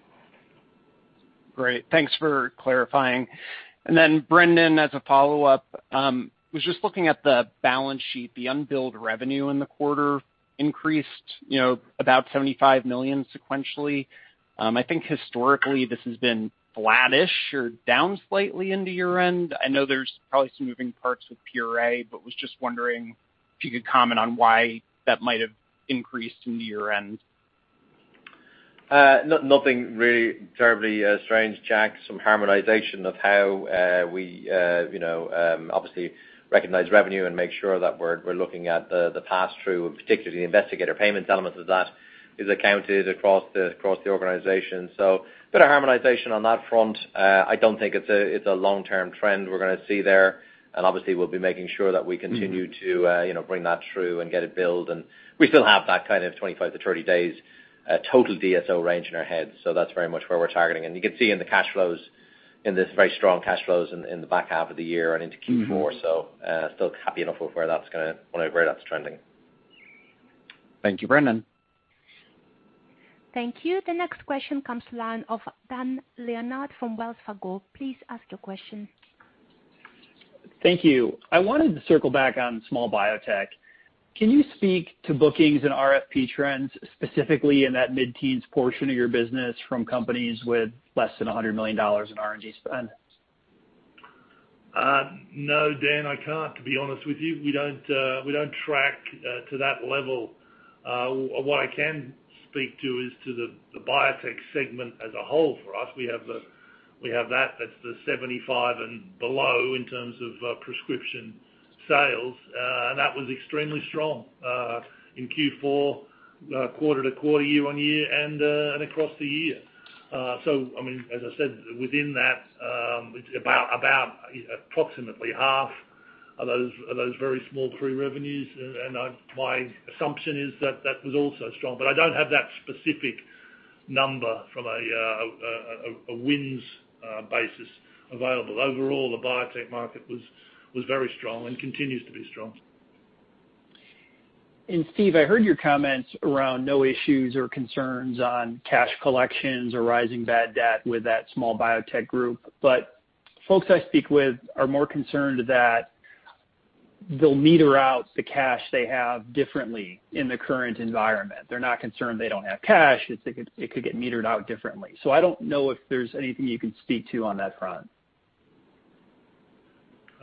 Great. Thanks for clarifying. Brendan, as a follow-up, was just looking at the balance sheet, the unbilled revenue in the quarter increased about $75 million sequentially. I think historically this has been flattish or down slightly into year-end. I know there's probably some moving parts with PRA, but was just wondering if you could comment on why that might have increased into year-end. Nothing really terribly strange, Jack. Some harmonization of how we obviously recognize revenue and make sure that we're looking at the pass-through, and particularly the investigator payments element of that is accounted across the organization. A bit of harmonization on that front. I don't think it's a long-term trend we're gonna see there. Obviously, we'll be making sure that we continue to bring that through and get it billed. We still have that kind of 25-30 days total DSO range in our heads. That's very much where we're targeting. You can see in the cash flows this very strong cash flows in the back half of the year and into Q4. Still happy enough with where that's trending. Thank you, Brendan. Thank you. The next question comes from the line of Dan Leonard from Wells Fargo. Please ask your question. Thank you. I wanted to circle back on small biotech. Can you speak to bookings and RFP trends, specifically in that mid-teens portion of your business from companies with less than $100 million in R&D spend? No, Dan, I can't, to be honest with you. We don't track to that level. What I can speak to is the biotech segment as a whole for us. We have that. That's the 75 and below in terms of prescription sales. That was extremely strong in Q4, quarter-over-quarter, year-over-year, and across the year. I mean, as I said, within that, about approximately half of those very small biotech revenues. My assumption is that was also strong. I don't have that specific number from a wins basis available. Overall, the biotech market was very strong and continues to be strong. Steve, I heard your comments around no issues or concerns on cash collections or rising bad debt with that small biotech group. Folks I speak with are more concerned that they'll meter out the cash they have differently in the current environment. They're not concerned they don't have cash. It could get metered out differently. I don't know if there's anything you can speak to on that front.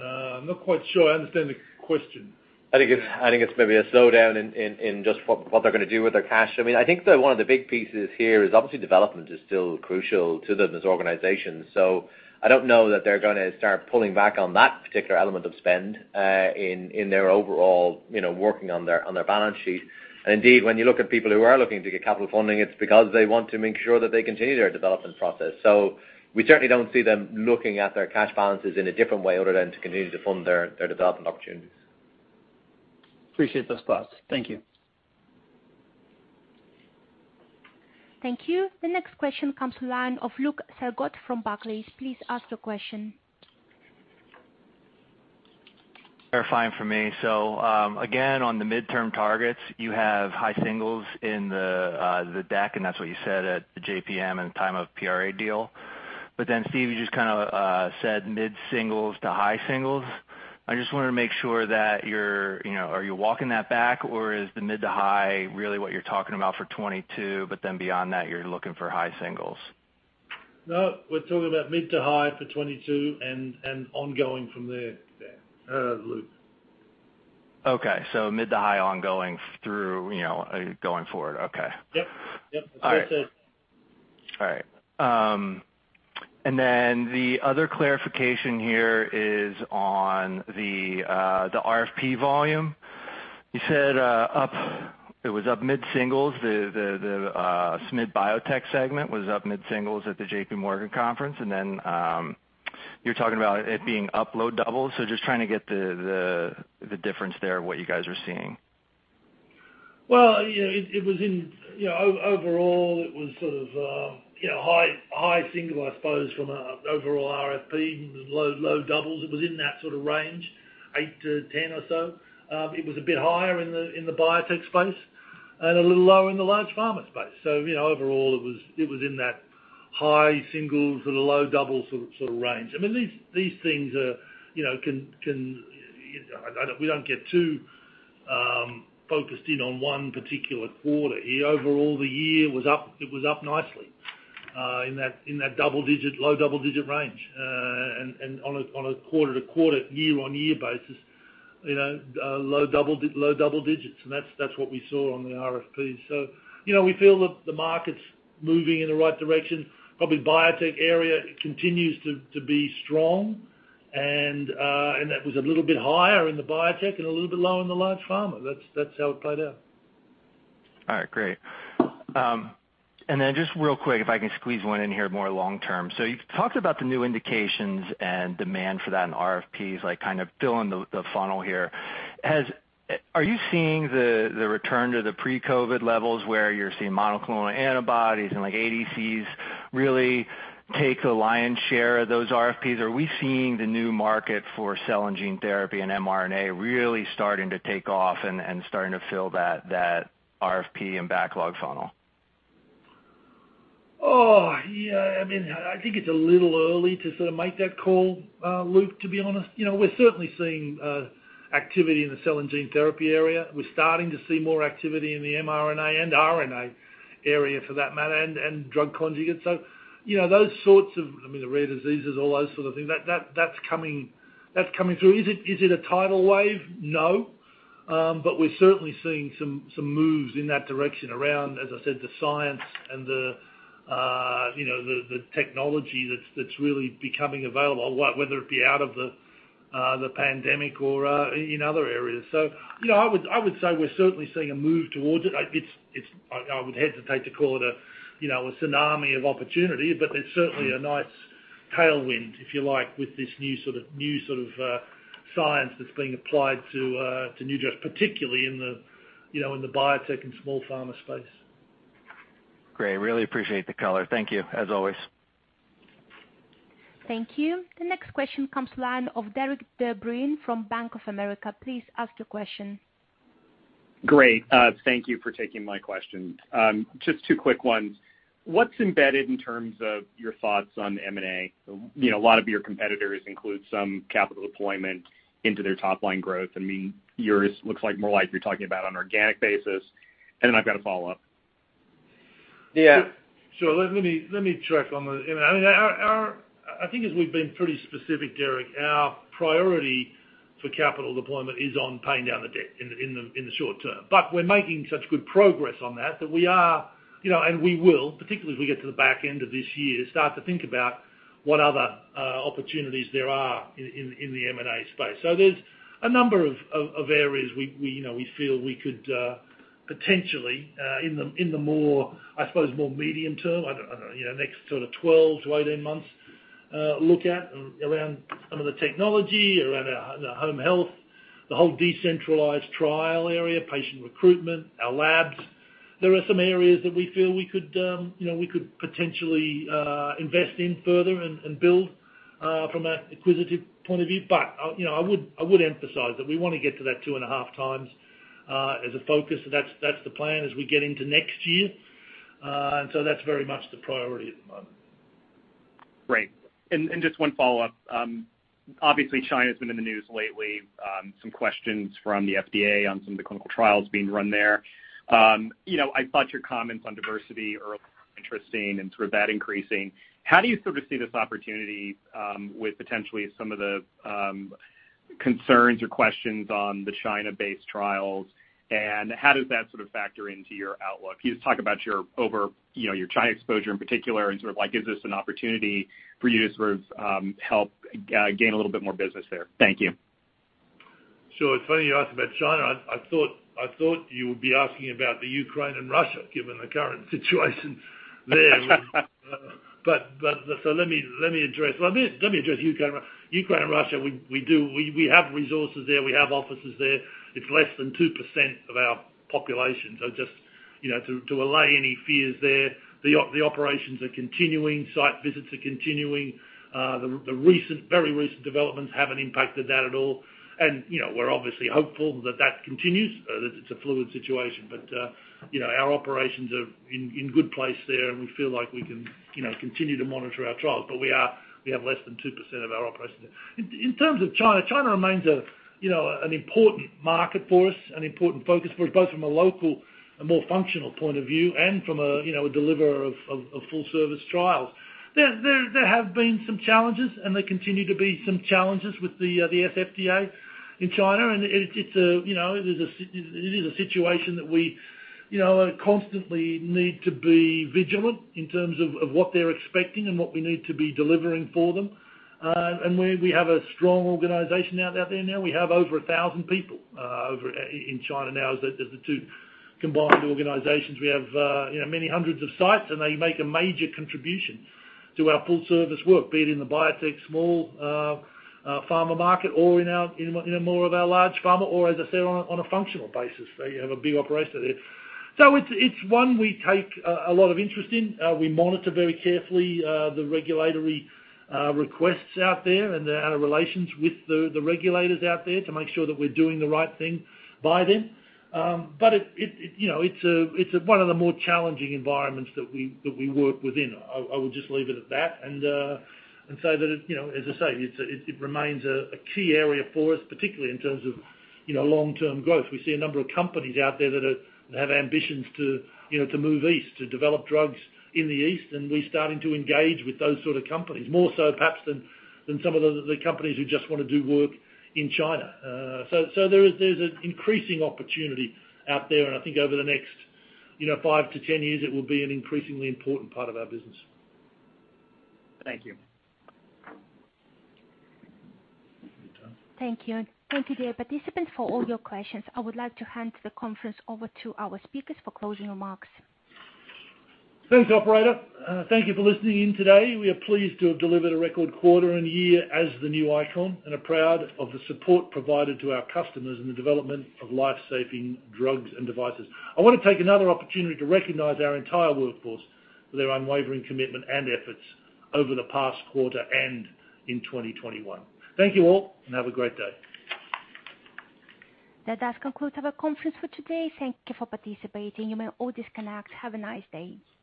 I'm not quite sure I understand the question. I think it's maybe a slowdown in just what they're gonna do with their cash. I mean, I think that one of the big pieces here is obviously development is still crucial to this organization. I don't know that they're gonna start pulling back on that particular element of spend in their overall working on their balance sheet. Indeed, when you look at people who are looking to get capital funding, it's because they want to make sure that they continue their development process. We certainly don't see them looking at their cash balances in a different way other than to continue to fund their development opportunities. Appreciate those thoughts. Thank you. Thank you. The next question comes from the line of Luke Sergott from Barclays. Please ask your question. Verifying for me. Again, on the midterm targets, you have high singles in the deck, and that's what you said at the JPM and at the time of PRA deal. Then Steve, you just kinda said mid-singles to high singles. I just wanted to make sure, are you walking that back or is the mid to high really what you're talking about for 2022, but then beyond that you're looking for high singles? No. We're talking about mid to high for 22 and ongoing from there, Dan. Luke. Okay. Mid to high ongoing through going forward. Okay. Yep. Yep. All right. That's it. All right. The other clarification here is on the RFP volume. You said it was up mid-singles, the mid-biotech segment was up mid-singles at the J.P Morgan conference, and then you're talking about it being up low doubles. Just trying to get the difference there of what you guys are seeing. well it was in overall it was sort of high single I suppose from an overall RFP, low doubles. It was in that sort of range, 8%-10% or so. It was a bit higher in the biotech space and a little lower in the large pharma space., overall it was in that high singles or the low double sort of range. I mean, these things are we don't get too focused in on one particular quarter. Overall, the year was up nicely in that double-digit, low double-digit range. On a quarter-to-quarter, year-on-year basis low double digits. That's what we saw on the RFPs., we feel that the market's moving in the right direction. Probably biotech area continues to be strong and that was a little bit higher in the biotech and a little bit lower in the large pharma. That's how it played out. All right, great. Just real quick, if I can squeeze one in here more long-term. You've talked about the new indications and demand for that in RFPs, like kind of filling the funnel here. Are you seeing the return to the pre-COVID levels where you're seeing monoclonal antibodies and like ADCs really take the lion's share of those RFPs? Are we seeing the new market for cell and gene therapy and mRNA really starting to take off and starting to fill that RFP and backlog funnel? Oh, yeah. I mean, I think it's a little early to sort of make that call, Luke, to be honest., we're certainly seeing activity in the cell and gene therapy area. We're starting to see more activity in the mRNA and RNA area for that matter, and drug conjugates., those sorts of things, I mean, the rare diseases, all those sort of things, that's coming through. Is it a tidal wave? No. We're certainly seeing some moves in that direction around, as I said, the science and the technology that's really becoming available, whether it be out of the pandemic or in other areas., I would say we're certainly seeing a move towards it. It's. I would hesitate to call it a a tsunami of opportunity, but there's certainly a nice tailwind, if you like, with this new sort of science that's being applied to new drugs, particularly in the in the biotech and small pharma space. Great. Really appreciate the color. Thank you, as always. Thank you. The next question comes from the line of Derik De Bruin from Bank of America. Please ask your question. Great. Thank you for taking my question. Just two quick ones. What's embedded in terms of your thoughts on M&A?, a lot of your competitors include some capital deployment into their top line growth. I mean, yours looks like more like you're talking about on organic basis. I've got a follow-up., I mean, our I think as we've been pretty specific, Derik, our priority for capital deployment is on paying down the debt in the short term. We're making such good progress on that we are and we will, particularly as we get to the back end of this year, start to think about what other opportunities there are in the M&A space. There's a number of areas we we feel we could potentially in the more, I suppose more medium term, I don't know next sort of 12-18 months look at around some of the technology, around our home health, the whole decentralized trial area, patient recruitment, our labs. There are some areas that we feel we could potentially invest in further and build from an acquisitive point of view., I would emphasize that we wanna get to that 2.5x as a focus. That's the plan as we get into next year. That's very much the priority at the moment. Great. Just one follow-up. Obviously China's been in the news lately. Some questions from the FDA on some of the clinical trials being run there., I thought your comments on diversity are interesting and sort of that increasing. How do you sort of see this opportunity with potentially some of the concerns or questions on the China-based trials, and how does that sort of factor into your outlook? Can you just talk about, your China exposure in particular, and sort of like, is this an opportunity for you to sort of help gain a little bit more business there? Thank you. Sure. It's funny you ask about China. I thought you would be asking about Ukraine and Russia, given the current situation there. Let me address Ukraine. Ukraine and Russia, we have resources there. We have offices there. It's less than 2% of our population. So just to allay any fears there, the operations are continuing, site visits are continuing. The very recent developments haven't impacted that at all., we're obviously hopeful that that continues, that it's a fluid situation., our operations are in good place there, and we feel like we can continue to monitor our trials. We have less than 2% of our operations there. In terms of China remains an important market for us, an important focus for us, both from a local, more functional point of view, and from a a deliverer of full service trials. There have been some challenges and there continue to be some challenges with the NMPA in China. It's a it is a situation that we constantly need to be vigilant in terms of what they're expecting and what we need to be delivering for them. We have a strong organization out there now. We have over 1,000 people over in China now as the two combined organizations. We have many hundreds of sites, and they make a major contribution to our full service work, be it in the biotech, small pharma market or in our in more of our large pharma or, as I said, on a functional basis. You have a big operation there. It's one we take a lot of interest in. We monitor very carefully the regulatory requests out there and our relations with the regulators out there to make sure that we're doing the right thing by them. But it it's one of the more challenging environments that we work within. I would just leave it at that and say that it as I say it's a. It remains a key area for us, particularly in terms of long-term growth. We see a number of companies out there that have ambitions to to move east, to develop drugs in the east, and we're starting to engage with those sort of companies, more so perhaps than some of the companies who just wanna do work in China. So there is an increasing opportunity out there. I think over the next 5-10 years, it will be an increasingly important part of our business. Thank you. Thank you. Thank you, dear participants, for all your questions. I would like to hand the conference over to our speakers for closing remarks. Thanks, operator. Thank you for listening in today. We are pleased to have delivered a record quarter and year as the new ICON, and are proud of the support provided to our customers in the development of life-saving drugs and devices. I wanna take another opportunity to recognize our entire workforce for their unwavering commitment and efforts over the past quarter and in 2021. Thank you all, and have a great day. That does conclude our conference for today. Thank you for participating. You may all disconnect. Have a nice day.